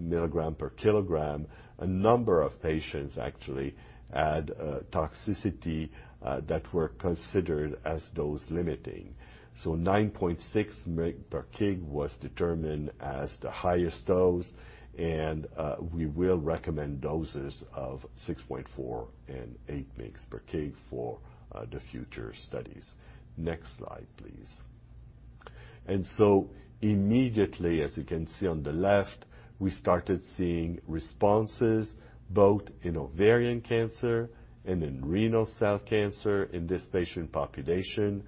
mg/kg, a number of patients actually had toxicity that were considered as dose limiting. 9.6 mg/kg was determined as the highest dose, and we will recommend doses of 6.4 and 8 mg/kg for the future studies. Next slide, please. Immediately, as you can see on the left, we started seeing responses both in ovarian cancer and in renal cell cancer in this patient population.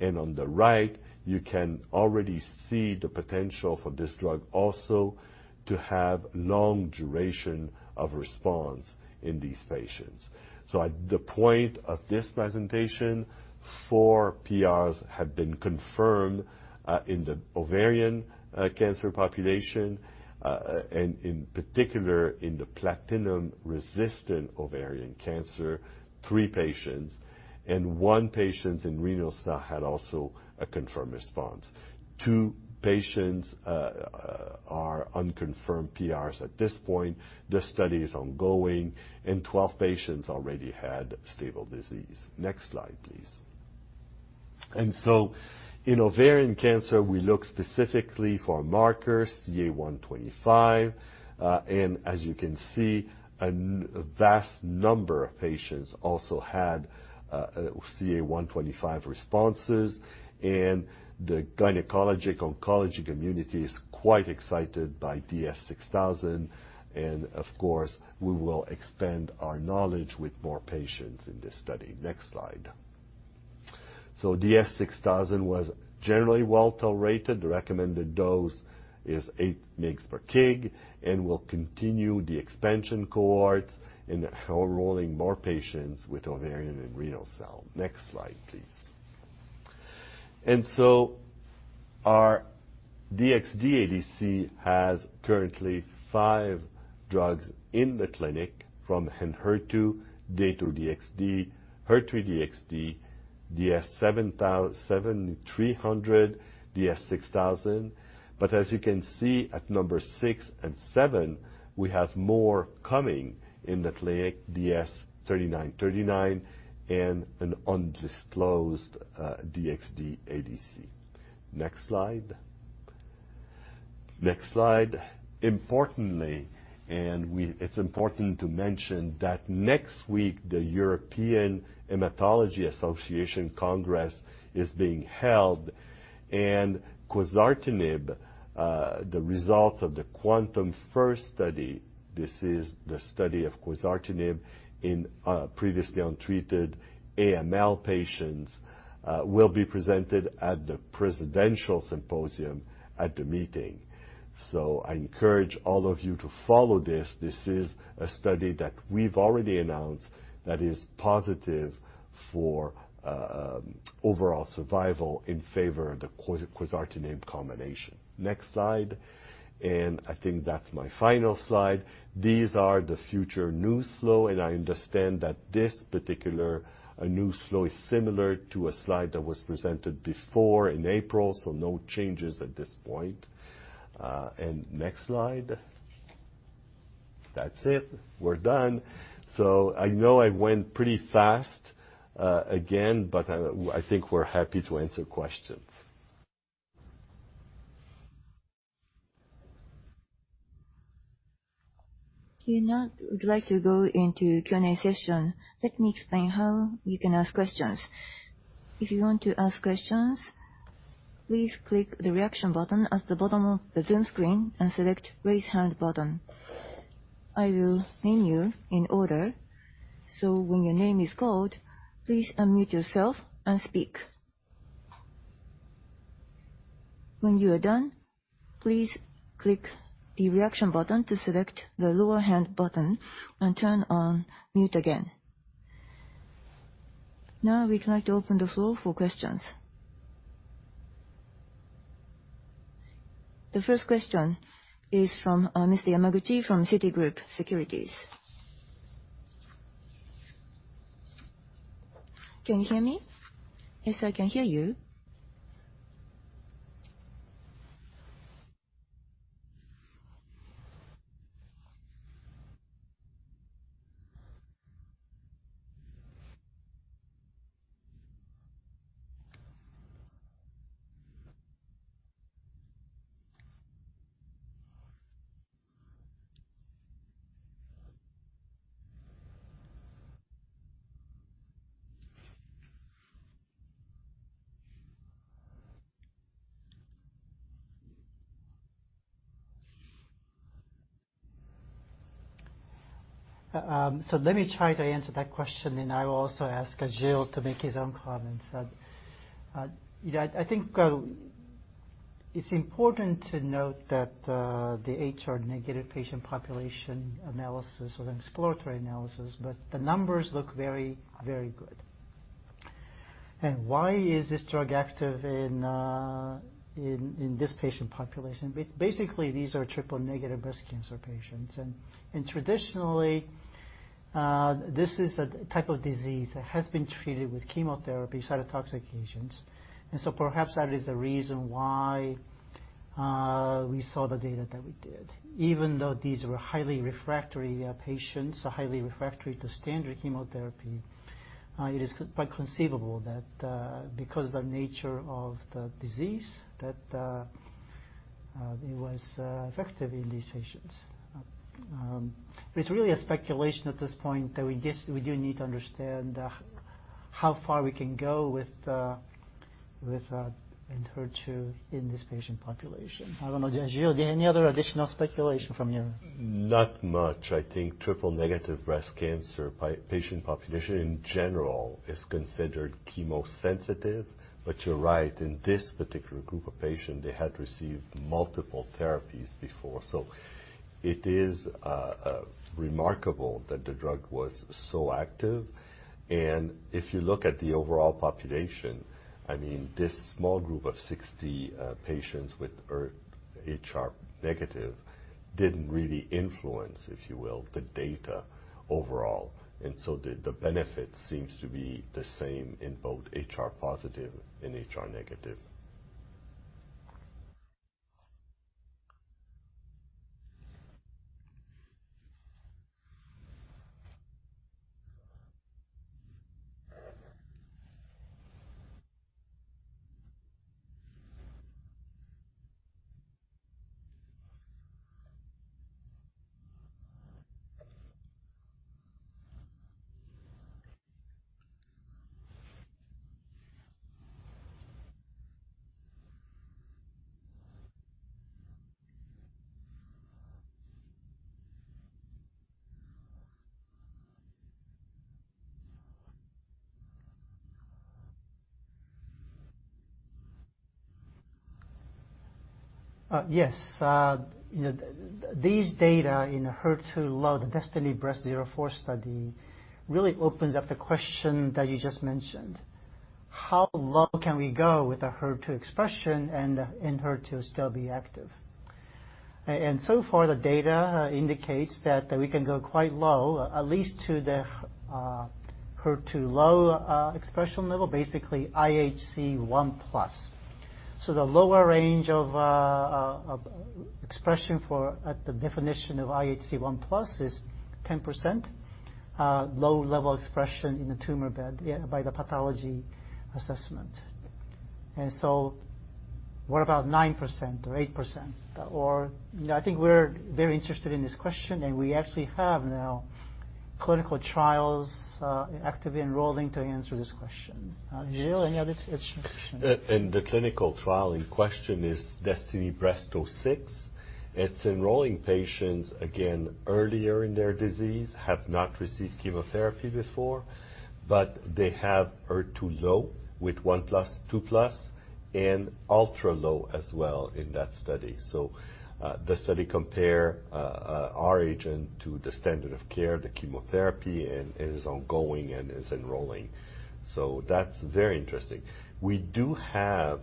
On the right, you can already see the potential for this drug also to have long duration of response in these patients. At the point of this presentation, four PRs have been confirmed in the ovarian cancer population, and in particular in the platinum-resistant ovarian cancer, three patients and one patient in renal cell had also a confirmed response. Two patients are unconfirmed PRs at this point. The study is ongoing, and 12 patients already had stable disease. Next slide, please. In ovarian cancer we look specifically for marker CA-125. As you can see, a vast number of patients also had CA-125 responses. The gynecologic oncology community is quite excited by DS-6000. Of course, we will expand our knowledge with more patients in this study. Next slide. DS-6000 was generally well-tolerated. The recommended dose is 8 mg/kg and will continue the expansion cohorts and enrolling more patients with ovarian and renal cell. Next slide, please. Our DXd ADC has currently five drugs in the clinic from Enhertu, Dato-DXd, HER3-DXd, DS-7300, DS-6000. As you can see at number six and seven, we have more coming in the DS-3939 and an undisclosed DXd ADC. Next slide. Next slide. Importantly, it's important to mention that next week the European Hematology Association Congress is being held and quizartinib, the results of the QuANTUM-First study, this is the study of quizartinib in previously untreated AML patients, will be presented at the Presidential Symposium at the meeting. I encourage all of you to follow this. This is a study that we've already announced that is positive for overall survival in favor of the quizartinib combination. Next slide. I think that's my final slide. These are the future news flow, and I understand that this particular news flow is similar to a slide that was presented before in April, so no changes at this point. Next slide. That's it. We're done. I know I went pretty fast again, but I think we're happy to answer questions. We now would like to go into Q&A session. Let me explain how you can ask questions. If you want to ask questions, please click the Reaction button at the bottom of the Zoom screen and select Raise Hand button. I will name you in order, so when your name is called, please unmute yourself and speak. When you are done, please click the Reaction button to select the Lower Hand button and turn on mute again. Now we'd like to open the floor for questions. The first question is from Mr. Yamaguchi from Citigroup Securities. Can you hear me? Yes, I can hear you. Let me try to answer that question, and I will also ask Gilles to make his own comments. Yeah, I think it's important to note that the HR-negative patient population analysis was an exploratory analysis, but the numbers look very, very good. Why is this drug active in this patient population? Basically, these are triple-negative breast cancer patients. Traditionally, this is a type of disease that has been treated with chemotherapy, cytotoxic agents. Perhaps that is the reason why we saw the data that we did. Even though these were highly refractory patients, highly refractory to standard chemotherapy, it is quite conceivable that because the nature of the disease that it was effective in these patients. It's really a speculation at this point that we guess we do need to understand how far we can go with in HER2 in this patient population. I don't know, Gilles, any other additional speculation from you? Not much. I think triple-negative breast cancer patient population in general is considered chemosensitive, but you're right. In this particular group of patients, they had received multiple therapies before. It is remarkable that the drug was so active, and if you look at the overall population, I mean, this small group of 60 patients with HR-negative didn't really influence, if you will, the data overall. The benefit seems to be the same in both HR-positive and HR-negative. Yes. You know, these data in HER2-low, the DESTINY-Breast04 study, really opens up the question that you just mentioned. How low can we go with the HER2 expression and the HER2 still be active? And so far, the data indicates that we can go quite low, at least to the HER2-low expression level, basically IHC 1+. So the lower range of expression for at the definition of IHC 1+ is 10%, low level expression in the tumor bed, yeah, by the pathology assessment. What about 9% or 8%? Or, you know, I think we're very interested in this question, and we actually have now clinical trials actively enrolling to answer this question. Gilles, any other addition? The clinical trial in question is DESTINY-Breast06. It's enrolling patients, again, earlier in their disease, have not received chemotherapy before, but they have HER2-low with 1+, 2+. Ultra low as well in that study. The study compares our agent to the standard of care, the chemotherapy, and it is ongoing and is enrolling. That's very interesting. We do have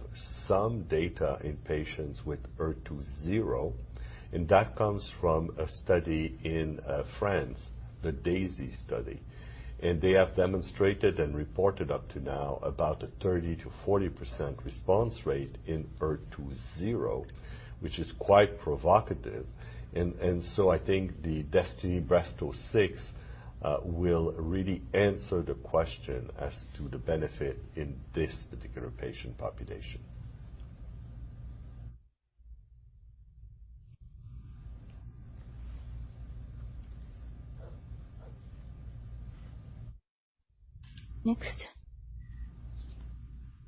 some data in patients with HER2-zero, and that comes from a study in France, the DAISY study. They have demonstrated and reported up to now about a 30%-40% response rate in HER2-zero, which is quite provocative. I think the DESTINY-Breast06 will really answer the question as to the benefit in this particular patient population. Next.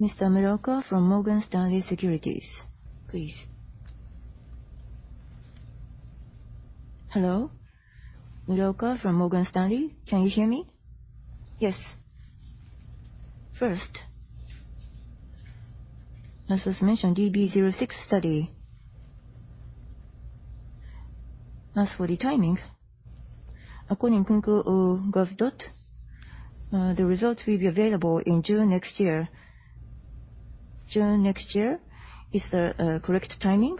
Mr. Muraoka from Morgan Stanley Securities, please. Hello. Muraoka from Morgan Stanley. Can you hear me? Yes. First, as was mentioned, DB-06 study. As for the timing, according to .gov, the results will be available in June next year. June next year is the correct timing,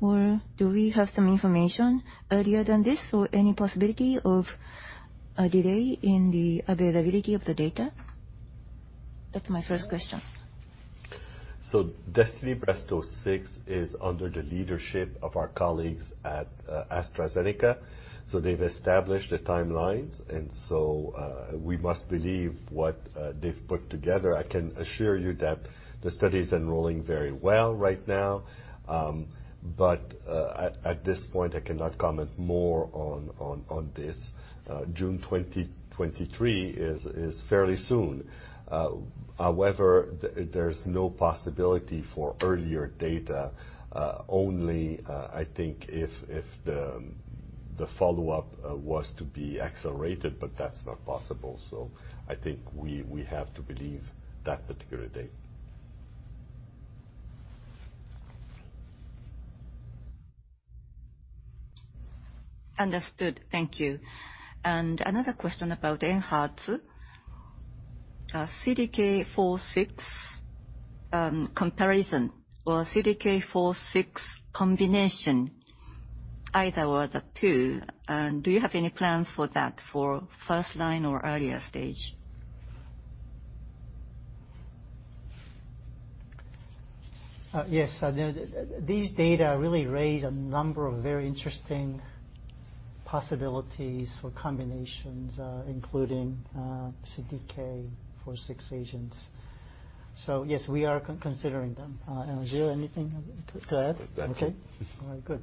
or do we have some information earlier than this, or any possibility of a delay in the availability of the data? That's my first question. DESTINY-Breast06 is under the leadership of our colleagues at AstraZeneca. They've established the timelines, we must believe what they've put together. I can assure you that the study is enrolling very well right now. At this point I cannot comment more on this. June 2023 is fairly soon. There's no possibility for earlier data. Only, I think if the follow-up was to be accelerated, but that's not possible. I think we have to believe that particular date. Understood. Thank you. Another question about Enhertu. CDK4/6 comparison or CDK4/6 combination, either or the two. Do you have any plans for that for first line or earlier stage? Yes. These data really raise a number of very interesting possibilities for combinations, including CDK4/6 agents. Yes, we are considering them. Gilles, anything to add? Nothing. Okay. All right, good.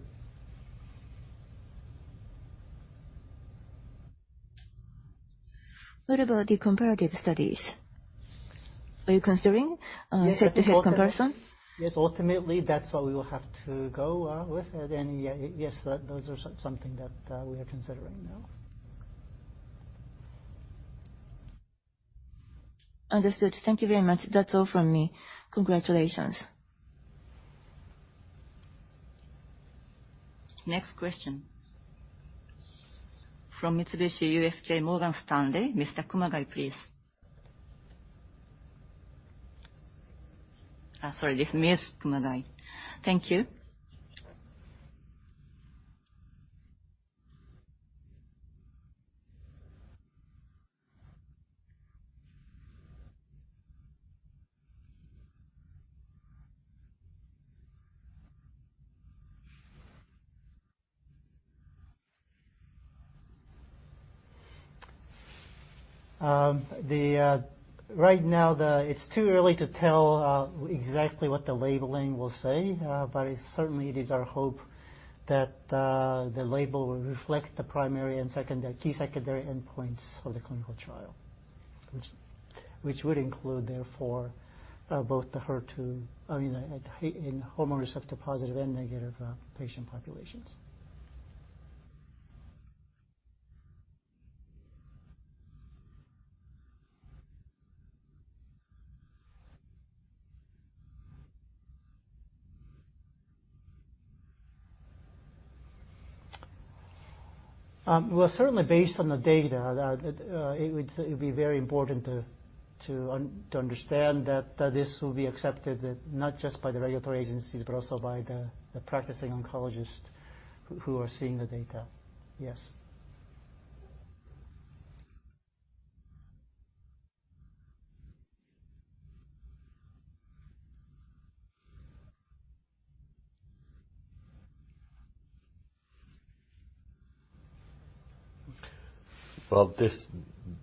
What about the comparative studies? Are you considering head-to-head comparison? Yes. Ultimately, that's what we will have to go with. Yeah, yes, those are something that we are considering now. Understood. Thank you very much. That's all from me. Congratulations. Next question from Mitsubishi UFJ Morgan Stanley. Mr. Kumagai, please. Sorry, this is Ms. Kumagai. Thank you. Right now, it's too early to tell exactly what the labeling will say. It certainly is our hope that the label will reflect the primary and secondary, key secondary endpoints for the clinical trial. Which would include therefore both the HER2, I mean, in hormone receptor positive and negative patient populations. Well, certainly based on the data that it would be very important to understand that this will be accepted not just by the regulatory agencies, but also by the practicing oncologists who are seeing the data. Yes. Well, this,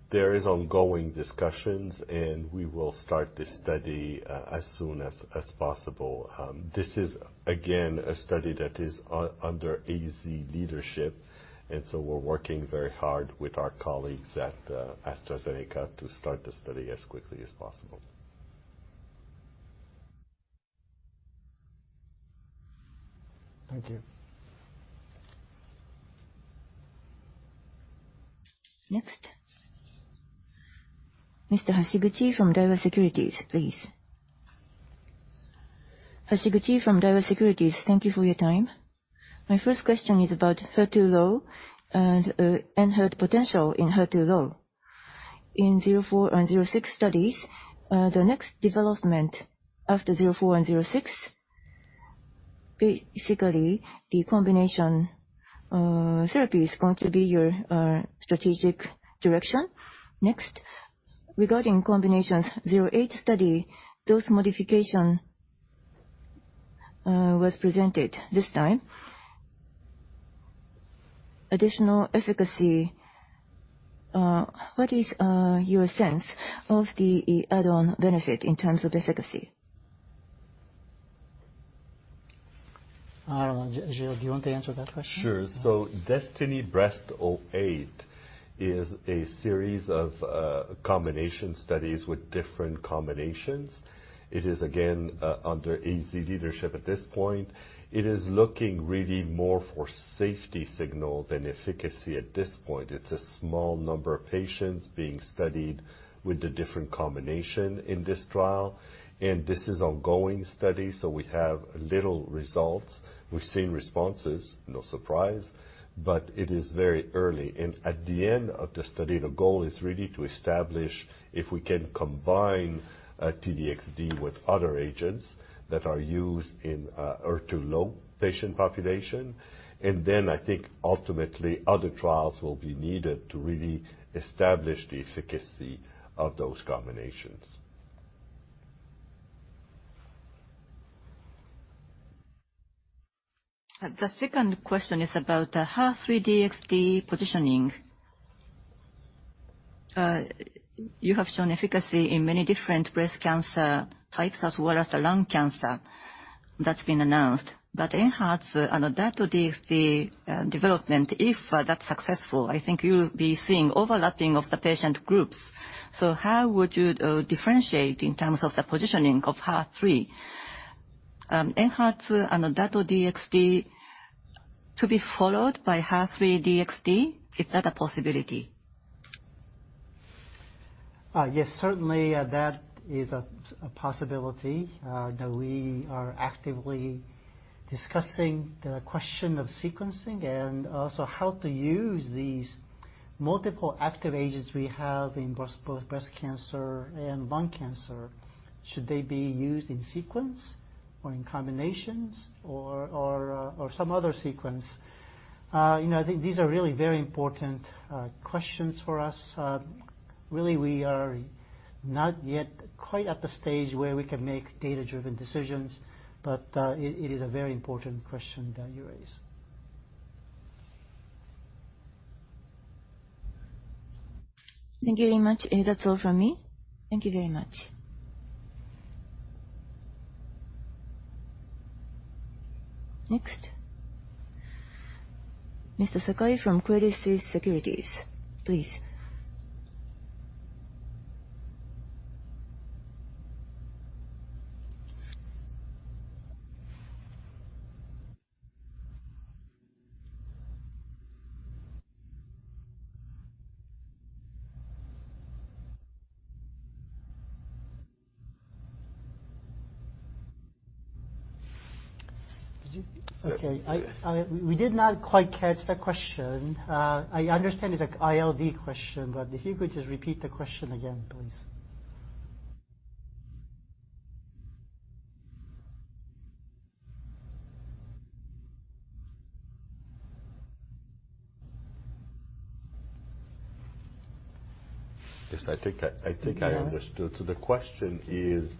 there is ongoing discussions, and we will start the study as soon as possible. This is again a study that is under AZ leadership, and so we're working very hard with our colleagues at AstraZeneca to start the study as quickly as possible. Thank you. Next. Mr. Hashiguchi from Daiwa Securities, please. Hashiguchi from Daiwa Securities. Thank you for your time. My first question is about HER2-low and Enhertu potential in HER2-low. In 04 and 06 studies, the next development after 04 and 06, basically the combination therapy is going to be your strategic direction. Next, regarding combinations zero eight study, those modification was presented this time. Additional efficacy. What is your sense of the add-on benefit in terms of efficacy? I don't know. Gilles, do you want to answer that question? Sure. DESTINY-Breast08 is a series of combination studies with different combinations. It is again under AZ leadership at this point. It is looking really more for safety signal than efficacy at this point. It's a small number of patients being studied with the different combination in this trial. This is ongoing study, so we have little results. We've seen responses, no surprise, but it is very early. At the end of the study, the goal is really to establish if we can combine T-DXd with other agents that are used in HER2-low patient population. I think ultimately, other trials will be needed to really establish the efficacy of those combinations. The second question is about the HER3-DXd positioning. You have shown efficacy in many different breast cancer types as well as the lung cancer that's been announced. But in Enhertu and Dato-DXd development, if that's successful, I think you'll be seeing overlapping of the patient groups. So how would you differentiate in terms of the positioning of HER3? Enhertu and Dato-DXd to be followed by HER3-DXd. Is that a possibility? Yes. Certainly, that is a possibility that we are actively discussing the question of sequencing and also how to use these multiple active agents we have in both breast cancer and lung cancer. Should they be used in sequence or in combinations or some other sequence? You know, I think these are really very important questions for us. Really, we are not yet quite at the stage where we can make data-driven decisions, but it is a very important question that you raised. Thank you very much. That's all from me. Thank you very much. Next. Mr. Sakai from Credit Suisse Securities, please. Okay. We did not quite catch the question. I understand it's a ILD question, but if you could just repeat the question again, please. Yes, I think I understood. The question is,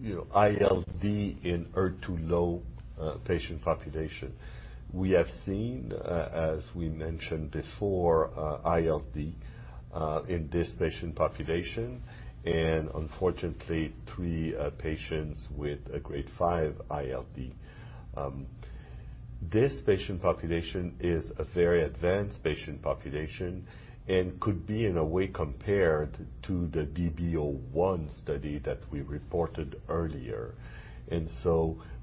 you know, ILD in HER2-low patient population. We have seen, as we mentioned before, ILD in this patient population, and unfortunately three patients with a grade five ILD. This patient population is a very advanced patient population and could be in a way compared to the DB-01 study that we reported earlier.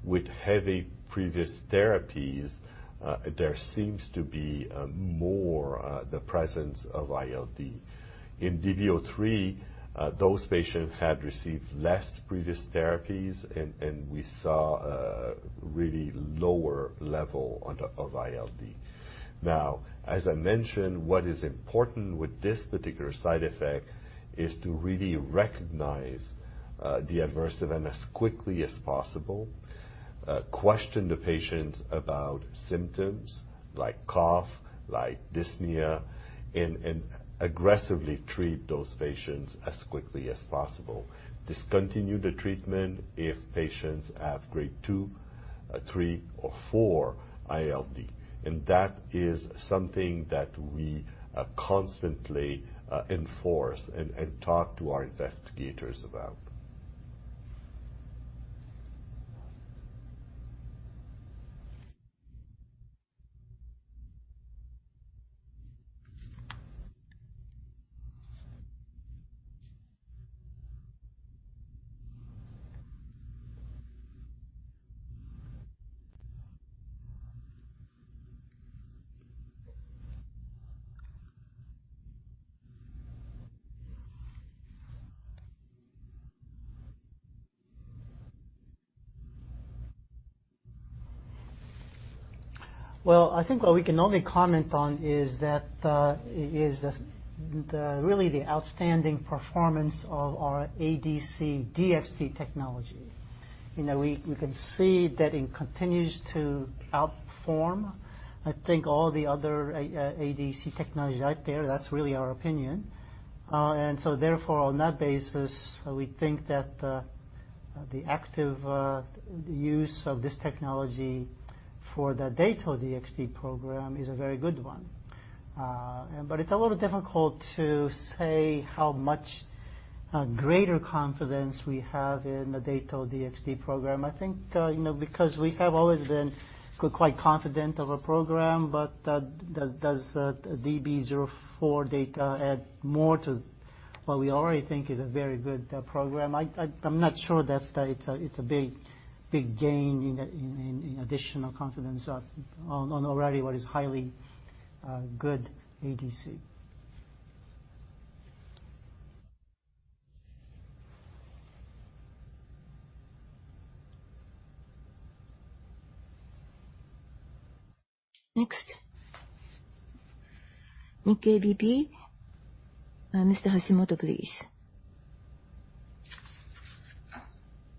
With heavy previous therapies, there seems to be more the presence of ILD. In DB-03, those patients had received less previous therapies and we saw a really lower level of ILD. Now, as I mentioned, what is important with this particular side effect is to really recognize the adverse event as quickly as possible. Question the patients about symptoms like cough, like dyspnea, and aggressively treat those patients as quickly as possible. Discontinue the treatment if patients have grade two, three or four ILD. That is something that we constantly enforce and talk to our investigators about. Well, I think what we can only comment on is the really outstanding performance of our ADC DXd technology. You know, we can see that it continues to outperform, I think, all the other ADC technologies out there. That's really our opinion. Therefore, on that basis, we think that the active use of this technology for the Dato-DXd program is a very good one. It's a little difficult to say how much greater confidence we have in the Dato-DXd program. I think you know, because we have always been quite confident of a program, but does DB-04 data add more to what we already think is a very good program? I'm not sure that it's a big gain in additional confidence on already what is highly good ADC. Next, Nikkei BP. Mr. Hashimoto, please.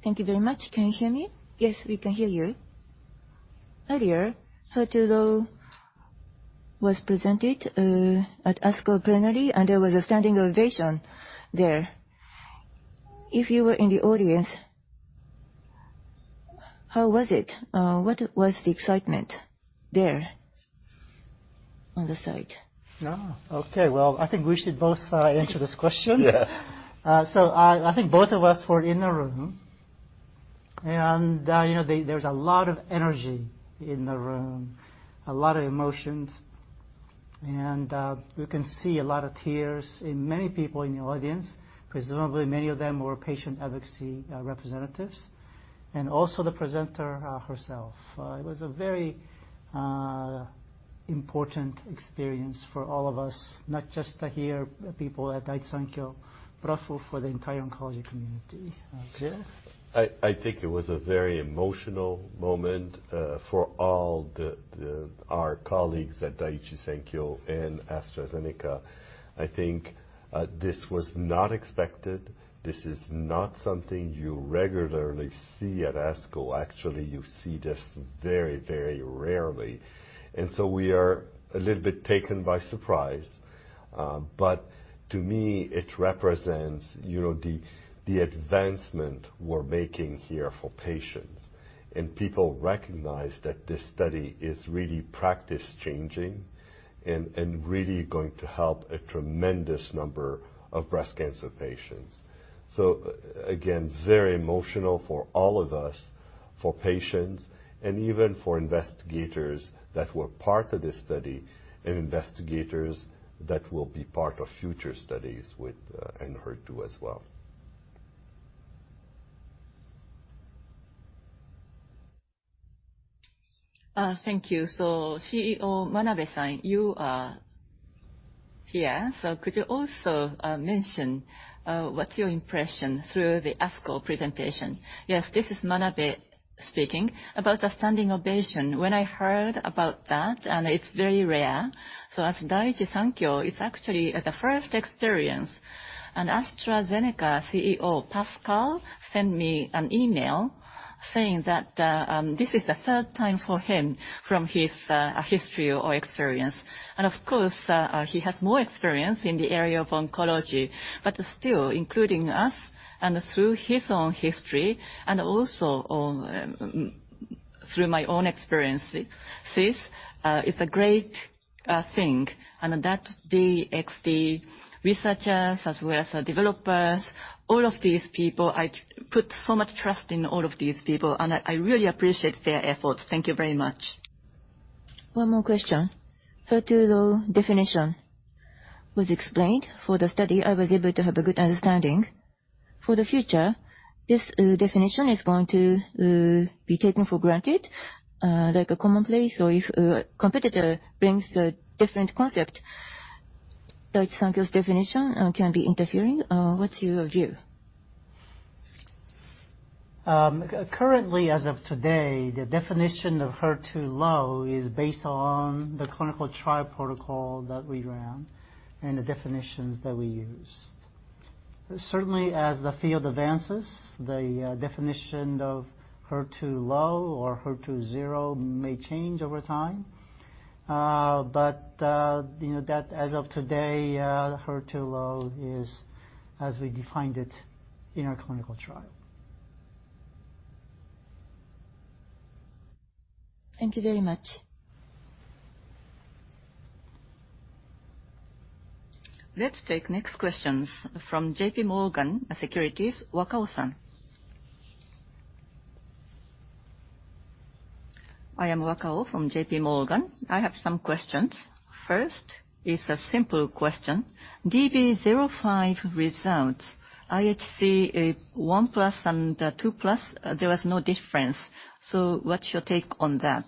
Thank you very much. Can you hear me? Yes, we can hear you. Earlier, HER2-low was presented at ASCO Plenary, and there was a standing ovation there. If you were in the audience, how was it? What was the excitement there on the site? Okay. Well, I think we should both answer this question. Yeah. I think both of us were in the room. You know, there was a lot of energy in the room, a lot of emotions. You can see a lot of tears in many people in the audience, presumably many of them were patient advocacy representatives and also the presenter herself. It was a very important experience for all of us, not just to hear people at Daiichi Sankyo, but also for the entire oncology community. Gilles? I think it was a very emotional moment for all our colleagues at Daiichi Sankyo and AstraZeneca. I think this was not expected. This is not something you regularly see at ASCO. Actually, you see this very, very rarely. We are a little bit taken by surprise. To me, it represents, you know, the advancement we're making here for patients. People recognize that this study is really practice-changing and really going to help a tremendous number of breast cancer patients. Again, very emotional for all of us, for patients, and even for investigators that were part of this study and investigators that will be part of future studies with Enhertu as well. Thank you. CEO Manabe-san, you are here. Could you also mention what's your impression through the ASCO presentation? Yes. This is Manabe speaking. About the standing ovation, when I heard about that, it's very rare. As Daiichi Sankyo, it's actually the first experience. AstraZeneca CEO, Pascal, sent me an email saying that this is the third time for him from his history or experience. Of course, he has more experience in the area of oncology. Still, including us and through his own history and also through my own experiences, it's a great thing. DXd researchers as well as the developers, all of these people, I put so much trust in all of these people, and I really appreciate their efforts. Thank you very much. One more question. HER2-low definition was explained for the study. I was able to have a good understanding. For the future, this definition is going to be taken for granted, like a commonplace or if a competitor brings a different concept, Daiichi Sankyo's definition can be interfering. What's your view? Currently as of today, the definition of HER2-low is based on the clinical trial protocol that we ran and the definitions that we used. Certainly, as the field advances, the definition of HER2-low or HER2-zero may change over time. You know that as of today, HER2-low is as we defined it in our clinical trial. Thank you very much. Let's take next questions from J.P. Morgan Securities, Wakao-san. I am Wakao from J.P. Morgan. I have some questions. First is a simple question. DB-05 results, IHC 1+ and 2+, there was no difference. What's your take on that?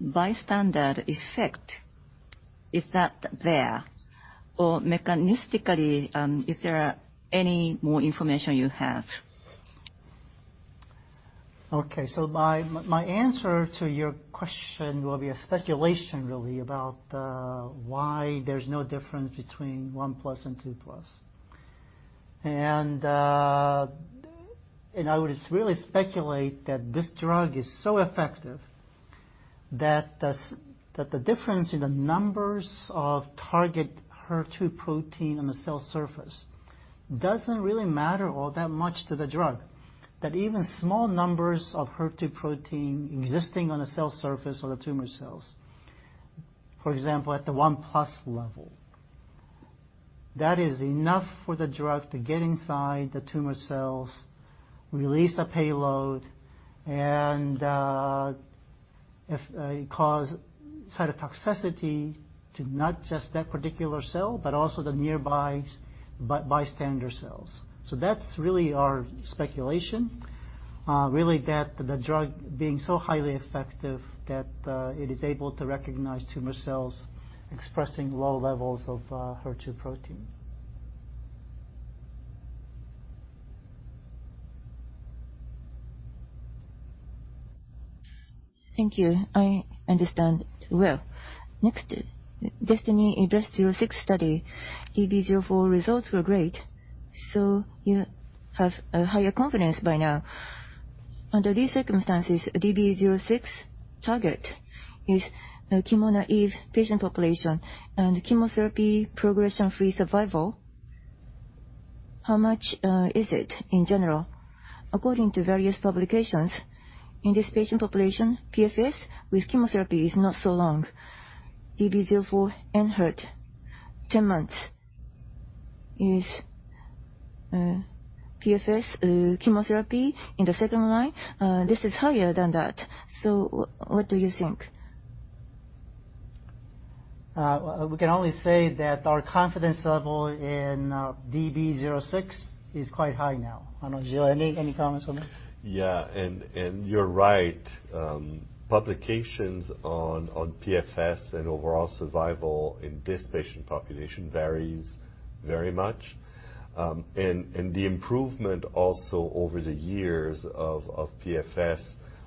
Bystander effect, is that there? Or mechanistically, is there any more information you have? Okay. My answer to your question will be a speculation really about why there's no difference between 1+ and 2+. I would really speculate that this drug is so effective that the difference in the numbers of target HER2 protein on the cell surface doesn't really matter all that much to the drug. That even small numbers of HER2 protein existing on the cell surface of the tumor cells, for example, at the 1+ level, that is enough for the drug to get inside the tumor cells, release the payload, and if it cause cytotoxicity to not just that particular cell, but also the nearby bystander cells. That's really our speculation, really that the drug being so highly effective that it is able to recognize tumor cells expressing low levels of HER2 protein. Thank you. I understand. Well, next, DESTINY-Breast06 study, DB04 results were great. You have a higher confidence by now. Under these circumstances, DB-06 target is chemo-naive patient population and chemotherapy progression-free survival. How much is it in general? According to various publications, in this patient population, PFS with chemotherapy is not so long. DB-04 enhanced 10 months. Is PFS chemotherapy in the second line higher than that? What do you think? We can only say that our confidence level in DB-06 is quite high now. I don't know, Gilles, any comments on that? Yeah. You're right. Publications on PFS and overall survival in this patient population varies very much. The improvement also over the years of PFS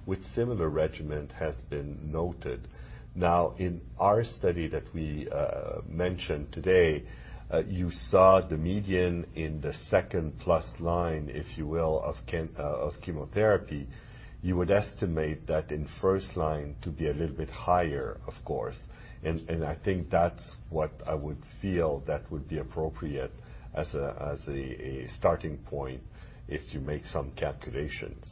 with similar regimen has been noted. Now, in our study that we mentioned today, you saw the median in the second plus line, if you will, of chemotherapy. You would estimate that in first line to be a little bit higher, of course. I think that's what I would feel that would be appropriate as a starting point if you make some calculations.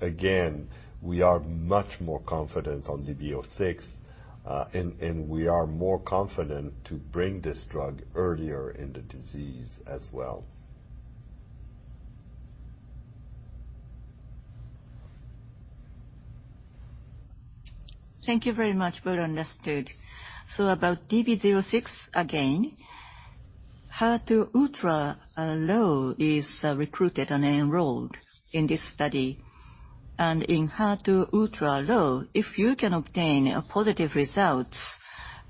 Again, we are much more confident on DB-06, and we are more confident to bring this drug earlier in the disease as well. Thank you very much. Well understood. About DB-06 again, HER2-ultralow is recruited and enrolled in this study. In HER2-ultralow, if you can obtain a positive result,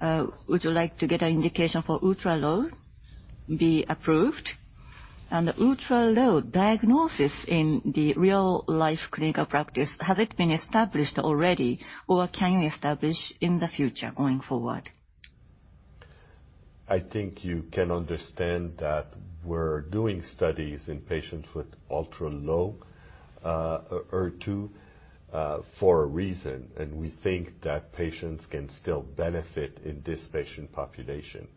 would you like to get an indication for ultralow be approved? Ultralow diagnosis in the real-life clinical practice, has it been established already or can you establish in the future going forward? I think you can understand that we're doing studies in patients with ultra low HER2 for a reason. We think that patients can still benefit in this patient population.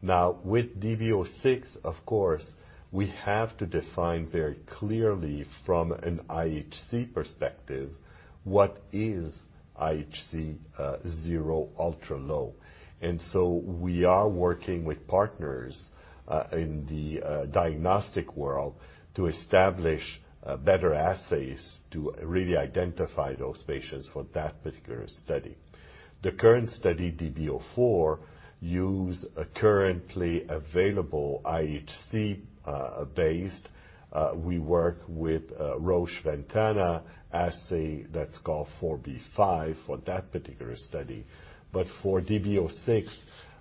Now, with DB-06, of course, we have to define very clearly from an IHC perspective, what is IHC zero ultra low. We are working with partners in the diagnostic world to establish better assays to really identify those patients for that particular study. The current study, DB-04, use a currently available IHC-based. We work with Roche VENTANA assay that's called 4B5 for that particular study. But for DB-06,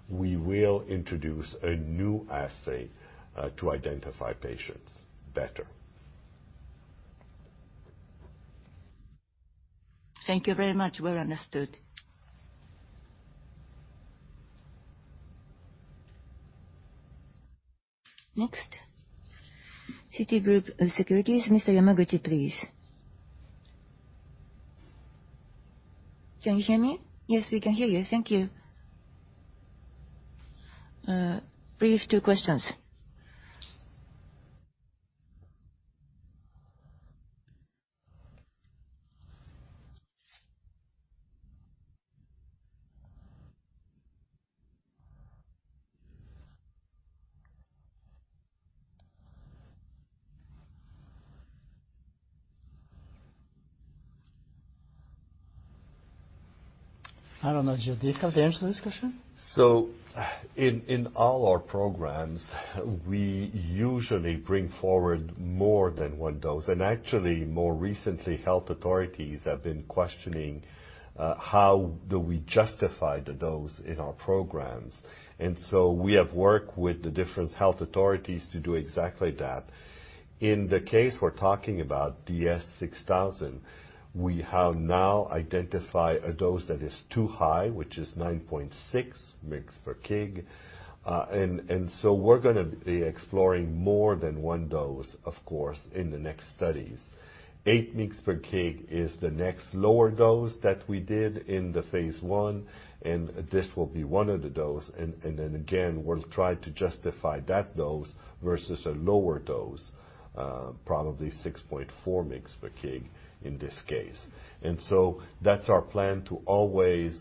we will introduce a new assay to identify patients better. Thank you very much. Well understood. Next, Citigroup Securities, Mr. Yamaguchi, please. Can you hear me? Yes, we can hear you. Thank you. Brief, two questions. I don't know, Gilles, could you answer this question? In all our programs, we usually bring forward more than one dose. Actually, more recently, health authorities have been questioning how do we justify the dose in our programs. We have worked with the different health authorities to do exactly that. In the case we're talking about, DS-6000, we have now identified a dose that is too high, which is 9.6 mg/kg. We're gonna be exploring more than one dose, of course, in the next studies. 8 mg/kg is the next lower dose that we did in the phase one, and this will be one of the dose. Then again, we'll try to justify that dose versus a lower dose, probably 6.4 mg/kg in this case. That's our plan, to always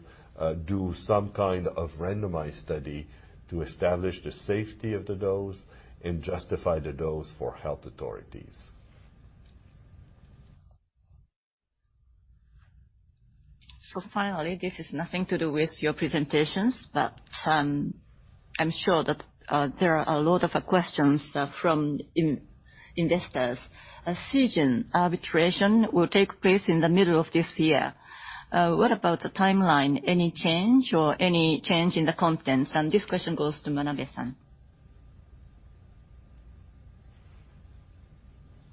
do some kind of randomized study to establish the safety of the dose and justify the dose for health authorities. Finally, this is nothing to do with your presentations, but, I'm sure that, there are a lot of questions, from investors. A Seagen arbitration will take place in the middle of this year. What about the timeline? Any change in the contents? This question goes to Manabe-san.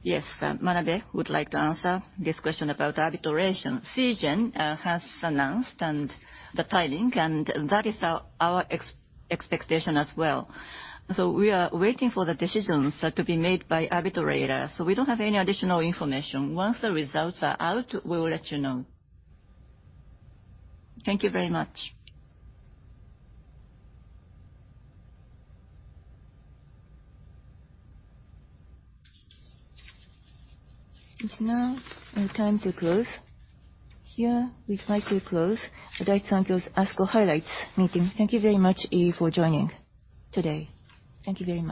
Yes. Manabe would like to answer this question about arbitration. Seagen has announced the timing, and that is our expectation as well. We are waiting for the decisions to be made by arbitrator. We don't have any additional information. Once the results are out, we will let you know. Thank you very much. It's now the time to close. Here we'd like to close the Daiichi Sankyo's ASCO Highlights meeting. Thank you very much, Eve, for joining today. Thank you very much.